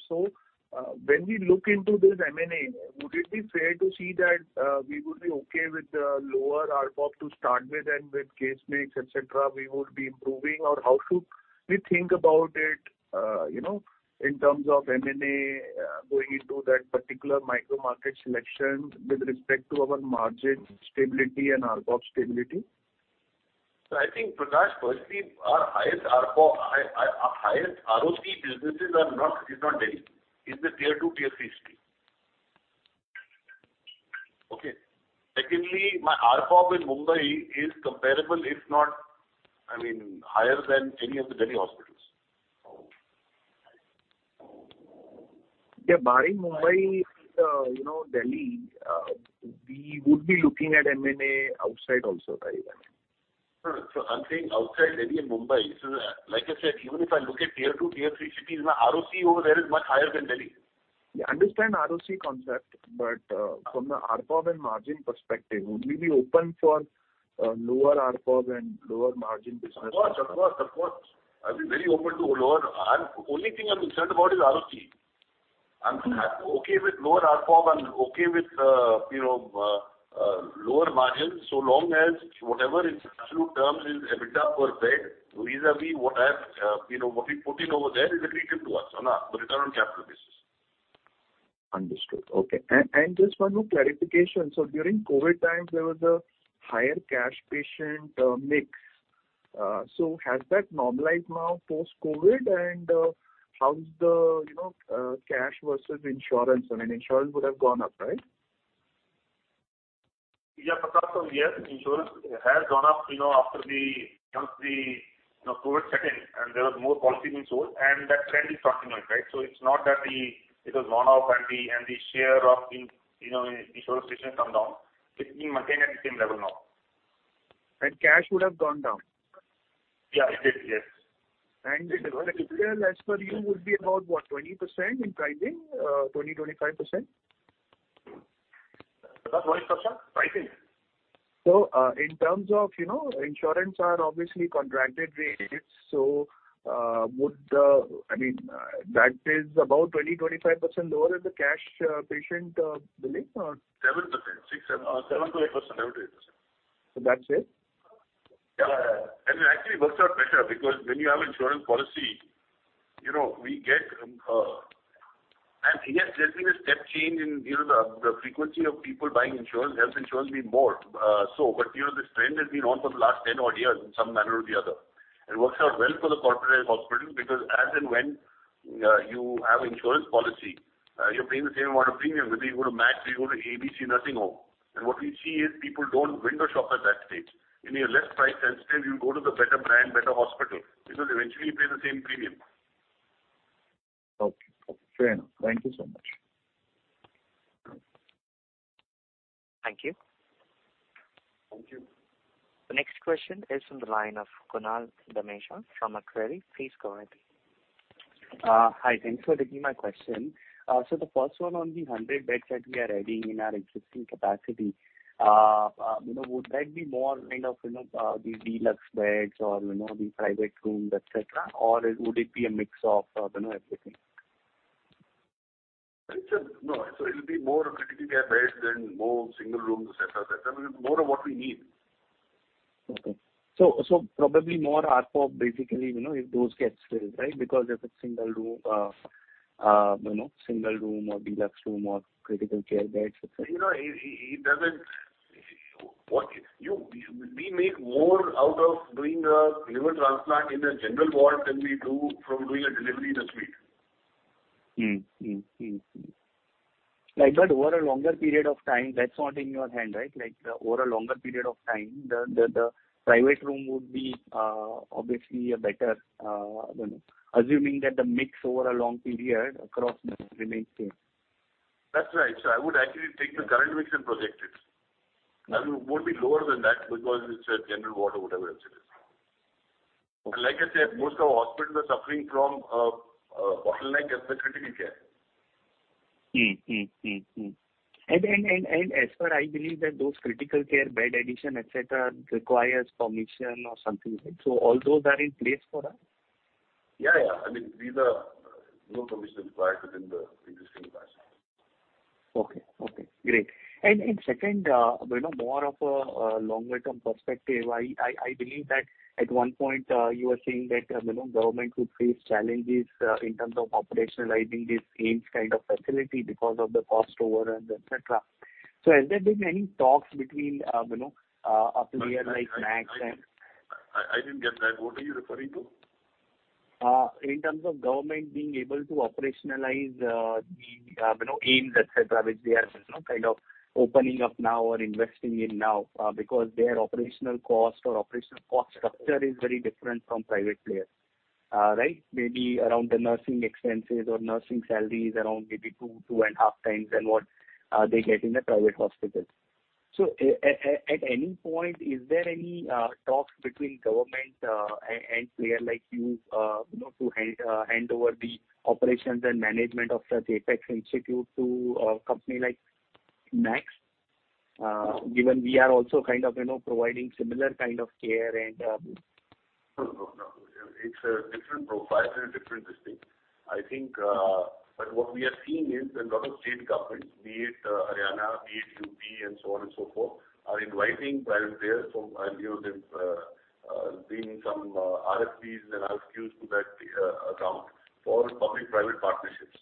When we look into this M&A, would it be fair to see that we would be okay with the lower ARPOV to start with and with case mix, etc, we would be improving? Or how should we think about it, you know, in terms of M&A, going into that particular micro market selection with respect to our margin stability and ARPOV stability? I think, Prakash, firstly, our highest ARPO. Our highest ROC businesses are not, is not Delhi. It's the tier two, tier three city. Okay. Secondly, my ARPOV in Mumbai is comparable, if not, I mean, higher than any of the Delhi hospitals. Yeah, barring Mumbai, you know, Delhi, we would be looking at M&A outside also, I imagine. I'm saying outside Delhi and Mumbai. Like I said, even if I look at tier two, tier three cities, my ROC over there is much higher than Delhi. Yeah, I understand ROC concept, but from the ARPOB and margin perspective, would we be open for lower ARPOB and lower margin business? Of course, of course, of course. I'll be very open to lower ARPOB. Only thing I'm concerned about is ROC. I'm okay with lower ARPOB, I'm okay with, you know, lower margins, so long as whatever is absolute terms is EBITDA per bed, vis-a-vis what I've, you know, what we put in over there is accretive to us or not, the return on capital basis. Understood. Okay. Just one more clarification. During COVID times, there was a higher cash patient mix. Has that normalized now post-COVID? How's the, you know, cash versus insurance? I mean, insurance would have gone up, right? Yeah, Prakash. Yes, insurance has gone up, you know, after the, once the, you know, COVID second, and there was more policy being sold, and that trend is continuing, right? It's not that the, it has gone up and the, and the share of the, you know, insurance patient come down. It's being maintained at the same level now. Cash would have gone down. Yeah, it did. Yes. The retail, as per you, would be about, what, 20% in pricing? 20%-25%? Prakash, what percentage? Pricing? In terms of, you know, insurance are obviously contracted rates. I mean, that is about 20%-25% lower than the cash, patient, billing or? Seven percent. Six, seven, uh, seven to eight percent. Seven to eight percent. That's it? It actually works out better because when you have insurance policy, you know, we get. Yes, there's been a step change in, you know, the frequency of people buying insurance, health insurance being more, so. You know, this trend has been on for the last 10 odd years in some manner or the other. It works out well for the corporatized hospitals because as and when you have insurance policy, you're paying the same amount of premium, whether you go to Max or you go to ABC Nursing Home. What we see is people don't window shop at that stage. When you're less price sensitive, you go to the better brand, better hospital, because eventually you pay the same premium. Okay. Okay, fair enough. Thank you so much. Thank you. Thank you. The next question is from the line of Kunal Dhamecha from Macquarie. Please go ahead. Hi. Thanks for taking my question. The first one on the 100 beds that we are adding in our existing capacity, you know, would that be more kind of, you know, the deluxe beds or, you know, the private rooms, etc? Or would it be a mix of, you know, everything? No. It'll be more critical care beds and more single rooms, etc. More of what we need. Okay. Probably more ARPOB basically, you know, if those get filled, right? If it's single room, you know, single room or deluxe room or critical care beds, etc. You know, we make more out of doing a liver transplant in a general ward than we do from doing a delivery in a suite. Like over a longer period of time, that's not in your hand, right? Like over a longer period of time, the, the private room would be, obviously a better, you know, assuming that the mix over a long period across remains same. That's right. I would actually take the current mix and project it. Okay. I won't be lower than that because it's a general ward or whatever else it is. Okay. Like I said, most of our hospitals are suffering from bottleneck as the critical care. As per I believe that those critical care bed addition, etc, requires permission or something, right? All those are in place for us? Yeah, yeah. I mean, these are, no permission required within the existing capacity. Okay, okay. Great. Second, you know, more of a longer term perspective. I believe that at one point, you were saying that, you know, government could face challenges in terms of operationalizing this AIIMS kind of facility because of the cost overruns, etc. Has there been any talks between, you know, a player like Max and. I didn't get that. What are you referring to? In terms of government being able to operationalize, the, you know, AIIMS, etc, which they are, you know, kind of opening up now or investing in now, because their operational cost or operational cost structure is very different from private players. Right? Maybe around the nursing expenses or nursing salaries, around maybe two and half times than what they get in the private hospitals. At any point, is there any talks between government and player like you know, to hand over the operations and management of the Jaypee Hospital to a company like Max? Given we are also kind of, you know, providing similar kind of care and... No, no. It's a different profile and a different distinct. I think, what we are seeing is a lot of state governments, be it Haryana, be it UP, and so on and so forth, are inviting private players. I know they've been some RFPs and RFQs to that account for public-private partnerships,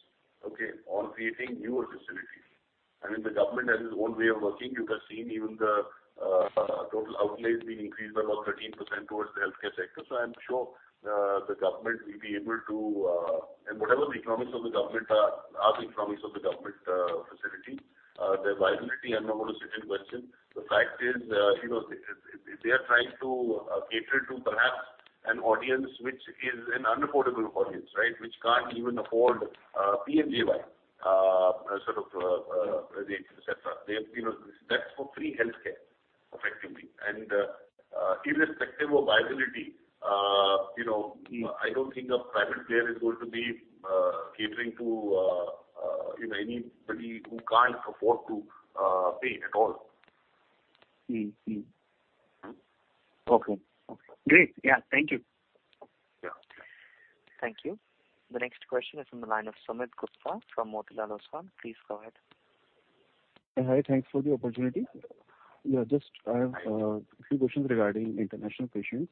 okay? On creating newer facilities. I mean, the government has its own way of working. You have seen even the total outlays being increased by about 13% towards the healthcare sector. I'm sure the government will be able to. Whatever the economics of the government are the economics of the government, facility. Their viability I'm not gonna sit and question. The fact is, you know, they are trying to cater to perhaps an audience which is an unaffordable audience, right? Which can't even afford PMJAY, sort of, etc. They have, you know, that's for free healthcare, effectively. Irrespective of viability, you know, I don't think a private player is going to be catering to, you know, anybody who can't afford to pay at all. Mm-hmm. Okay. Okay. Great. Yeah. Thank you. Yeah. Thank you. The next question is from the line of Sumit Gupta from Motilal Oswal. Please go ahead. Hi. Thanks for the opportunity. just I have a few questions regarding international patients.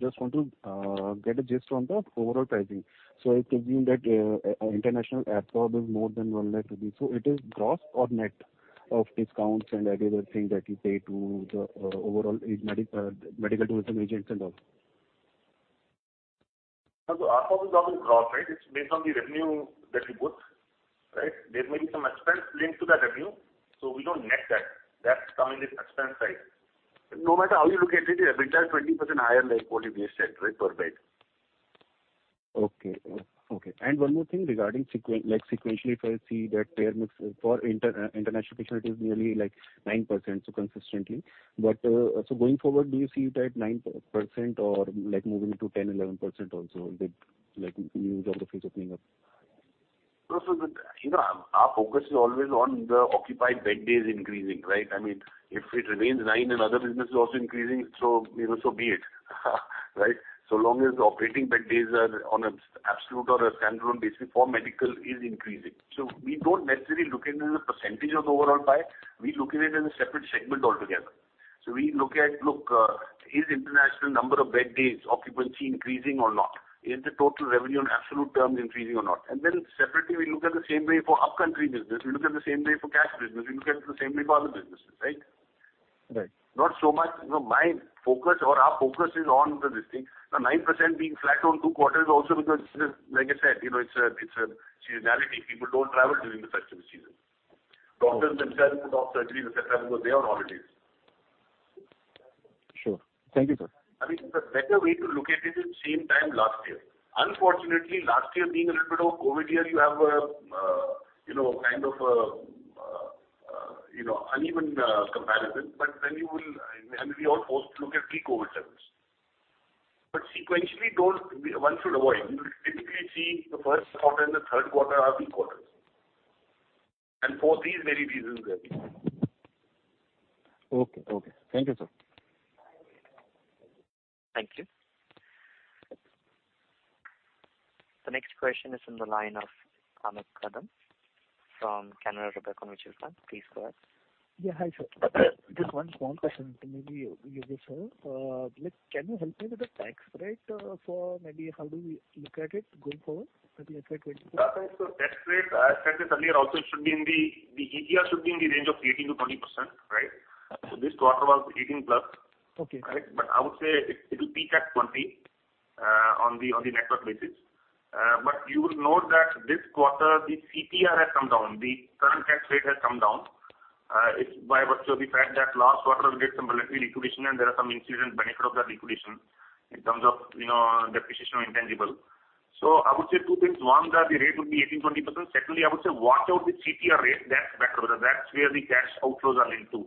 just want to get a gist on the overall pricing. I presume that international ARPB is more than 1 lakh rupees. It is gross or net of discounts and every other thing that you pay to the overall medical tourism agents and all? ARPB is always gross, right? It's based on the revenue that you book, right? There may be some expense linked to that revenue, so we don't net that. That's coming in expense side. No matter how you look at it will be just 20% higher than what is base rate, right, per bed. Okay. Okay. One more thing regarding like sequentially if I see that payer mix for international patient, it is nearly like 9% so consistently. Going forward, do you see that 9% or like moving to 10, 11% also with like new geographies opening up? No. The, you know, our focus is always on the occupied bed days increasing, right? I mean, if it remains nine and other business is also increasing, you know, so be it, right? Long as the operating bed days are on an absolute or a standalone basis for medical is increasing. We don't necessarily look at it as a % of the overall pie. We look at it as a separate segment altogether. We look at, is international number of bed days occupancy increasing or not? Is the total revenue on absolute terms increasing or not? Separately, we look at the same way for upcountry business. We look at the same way for cash business. We look at the same way for other businesses, right? Right. Not so much, you know, my focus or our focus is on the distinct. Now 9% being flat on two quarters is also because it is, like I said, you know, it's a, it's a seasonality. People don't travel during the festival season. Okay. Doctors themselves put off surgeries, etc, because they are on holidays. Sure. Thank you, sir. I mean, the better way to look at it is same time last year. Unfortunately, last year being a little bit of COVID year, you have, you know, kind of, you know, uneven comparison. You will, I mean, we are forced to look at pre-COVID terms. Sequentially one should avoid. You will typically see the first quarter and the third quarter are weak quarters. For these very reasons they are weak. Okay. Okay. Thank you, sir. Thank you. The next question is from the line of Amit Kadam from Canara Robeco Mutual Fund. Please go ahead. Yeah, hi, sir. Just one small question, maybe you could solve. Like, can you help me with the tax rate for maybe how do we look at it going forward? Maybe expect 20%. Tax rate, I said this earlier also, ETR should be in the range of 18%-20%, right? Okay. This quarter was 18+. Okay. Correct. I would say it'll peak at 20 on the network basis. You will note that this quarter the CTR has come down. The current tax rate has come down. It's by virtue of the fact that last quarter we did some liquidity liquidation, and there are some incident benefit of that liquidation in terms of, you know, depreciation of intangible. I would say two things. One, that the rate would be 18%, 20%. Secondly, I would say watch out the CTR rate. That's better, because that's where the cash outflows are linked to.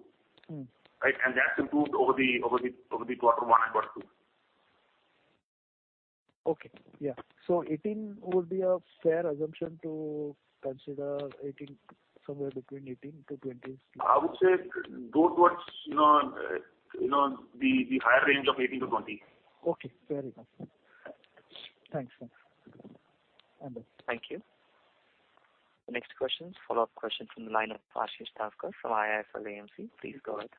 Mm. Right? That's improved over the quarter one and quarter two. Okay. Yeah. Eighteen would be a fair assumption to consider 18, somewhere between 18 to 20. I would say go towards, you know, you know, the higher range of 18-20. Okay. Fair enough. Thanks, sir. Thank you. The next question, follow-up question from the line of Ashish Thakkar from IIFL AMC. Please go ahead.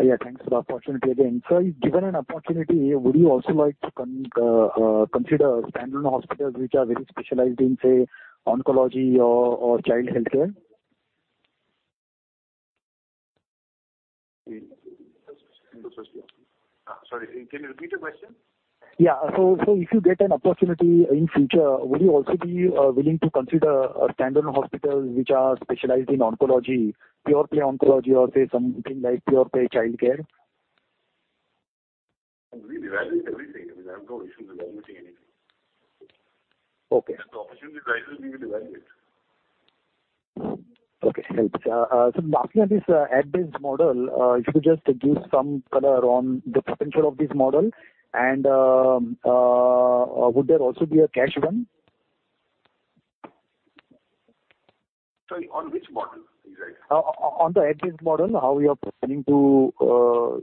Yeah, thanks for the opportunity again. Sir, if given an opportunity, would you also like to consider standalone hospitals which are very specialized in, say, oncology or child healthcare? Sorry. Can you repeat the question? Yeah. If you get an opportunity in future, would you also be willing to consider standalone hospitals which are specialized in oncology, pure-play oncology or, say, something like pure-play childcare? We evaluate everything. I mean, I have no issue evaluating anything. Okay. If the opportunity arises, we will evaluate. Okay. Thanks. Talking of this ad-based model, if you could just give some color on the potential of this model and would there also be a cash one? Sorry, on which model? On the advanced model, how you are planning to,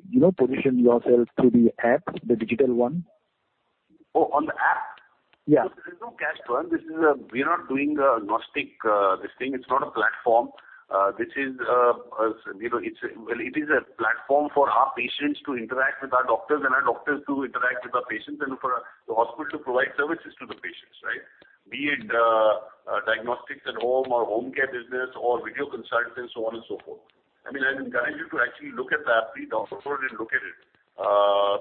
you know, position yourself through the app, the digital one? Oh, on the app? Yeah. There's no cash burn. This is, we're not doing a agnostic, this thing. It's not a platform. This is, you know, well, it is a platform for our patients to interact with our doctors and our doctors to interact with our patients and for the hospital to provide services to the patients, right? Be it, diagnostics at home or home care business or video consultants, so on and so forth. I mean, I'd encourage you to actually look at the app. We've thoughtfully look at it.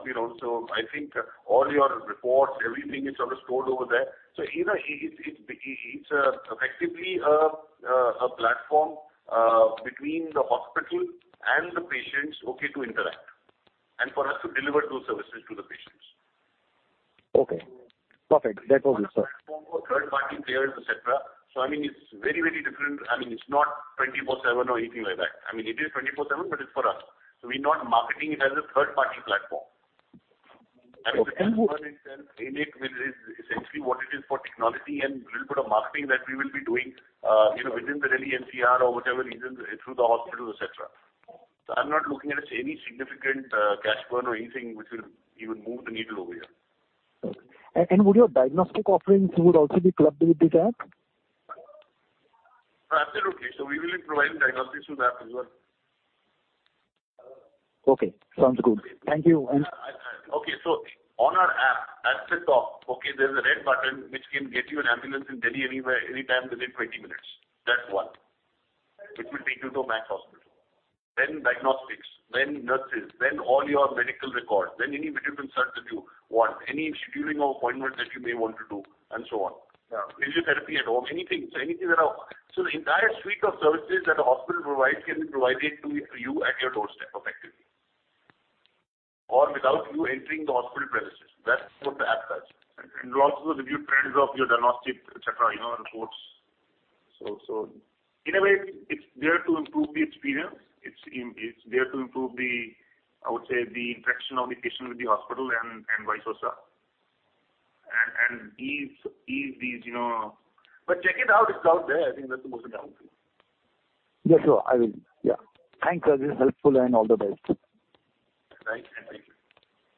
You know, I think all your reports, everything is sort of stored over there. In a way, it's, it's, effectively a platform, between the hospital and the patients, okay, to interact, and for us to deliver those services to the patients. Okay. Perfect. That was it, sir. For third-party players, etc. I mean, it's very, very different. I mean, it's not 24/7 or anything like that. I mean, it is 24/7, but it's for us. We're not marketing it as a third-party platform. Okay. I mean, the cash burn itself in it is essentially what it is for technology and a little bit of marketing that we will be doing, you know, within the Delhi NCR or whichever regions through the hospitals, etc. I'm not looking at any significant cash burn or anything which will even move the needle over here. Okay. Would your diagnostic offerings also be clubbed with this app? Absolutely. We will be providing diagnostics through the app as well. Okay. Sounds good. Thank you. Okay. On our app, at the top, okay, there's a red button which can get you an ambulance in Delhi anywhere, anytime within 20 minutes. That's one. Which will take you to Max Hospital. Then diagnostics, then nurses, then all your medical records, then any video consult that you want, any scheduling of appointments that you may want to do and so on. Physiotherapy at home, anything, so anything at all. The entire suite of services that a hospital provides can be provided to you at your doorstep effectively. Without you entering the hospital premises. That's what the app does. It will also review trends of your diagnostic, etc, you know, reports. In a way, it's there to improve the experience. It's there to improve the, I would say, the interaction of the patient with the hospital and vice versa. Ease these, you know. Check it out. It's out there. I think that's the most important thing. Yes, sure. I will. Thanks. That is helpful and all the best. Right. Thank you.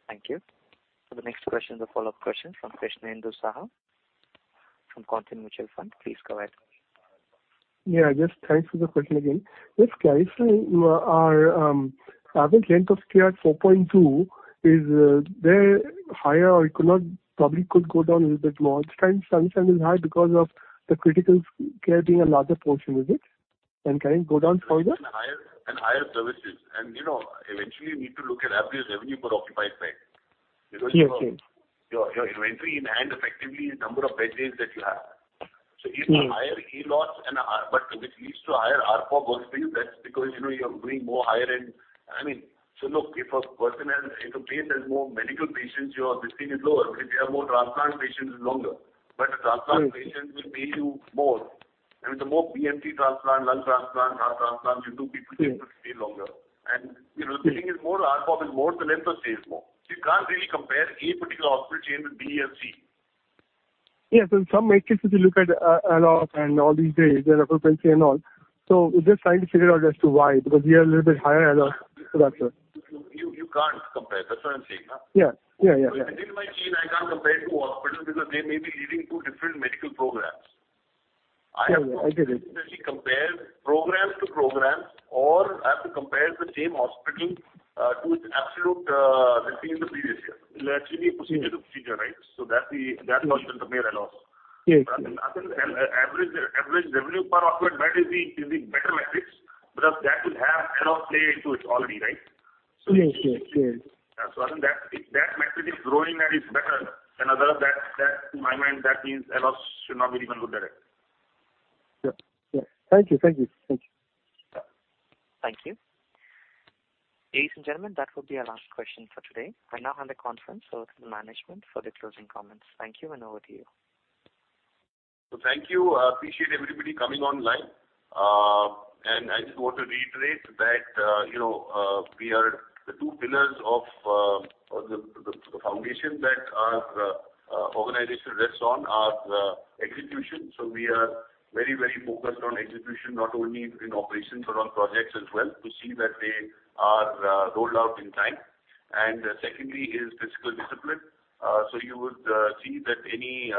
Thank you. The next question is a follow-up question from Krishnendu Saha from Quant Mutual Fund. Please go ahead. Yeah, just thanks for the question again. Just clarify, your, average length of care, 4.2, is, there higher or probably could go down a little bit more. Sometimes some channel is high because of the critical care being a larger portion, is it? Can it go down further? Higher, and higher services. You know, eventually you need to look at Average Revenue Per Occupied Bed. Yes, yes. You know, your inventory in hand effectively is number of bed days that you have. Mm-hmm. If a higher ALOS and which leads to higher RPOB for you, that's because, you know, you're doing more higher end. I mean, look, if a person if a patient has more medical patients, your this thing is lower. If they are more transplant patients, it's longer. Transplant patients will pay you more. I mean, the more BMT transplant, lung transplant, heart transplant you do, people tend to stay longer. You know, the thing is, more RPOB is more, so length of stay is more. You can't really compare A particular hospital chain with B and C. Yes. In some metrics, if you look at, ALOS and all these days, their occupancy and all. We're just trying to figure out as to why, because we are a little bit higher ALOS. That's it. You can't compare. That's what I'm saying. Yeah. Yeah, yeah. Within my chain, I can't compare two hospitals because they may be leading two different medical programs. Yeah, yeah. I get it. I have to essentially compare programs to programs, or I have to compare the same hospital, to its absolute, the thing in the previous year. Actually procedure to procedure, right? That hospital compare ALOS. Yes. I think Average Revenue Per Occupied Bed is the better metrics because that will have ALOS play into it already, right? Yes, yes. I think that, if that metric is growing and is better than other, that in my mind, that means ALOS should not be even looked at it. Yep. Yeah. Thank you. Thank you. Thank you. Thank you. Ladies and gentlemen, that would be our last question for today. I now hand the conference over to the management for the closing comments. Thank you. Over to you. Thank you. I appreciate everybody coming online. And I just want to reiterate that, you know, we are the two pillars of the foundation that our organization rests on are execution. So we are very, very focused on execution, not only in operations but on projects as well, to see that they are rolled out in time. And secondly is fiscal discipline. So you would see that any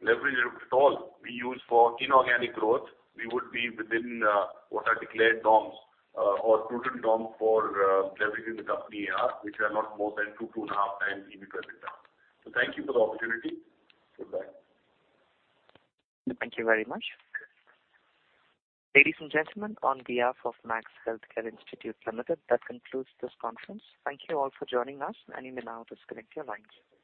leverage if at all we use for inorganic growth, we would be within what are declared norms or prudent norm for leveraging the company are, which are not more than 2-2.5 times EBITDA. Thank you for the opportunity. Goodbye. Thank you very much. Ladies and gentlemen, on behalf of Max Healthcare Institute Limited, that concludes this conference. Thank you all for joining us. You may now disconnect your lines.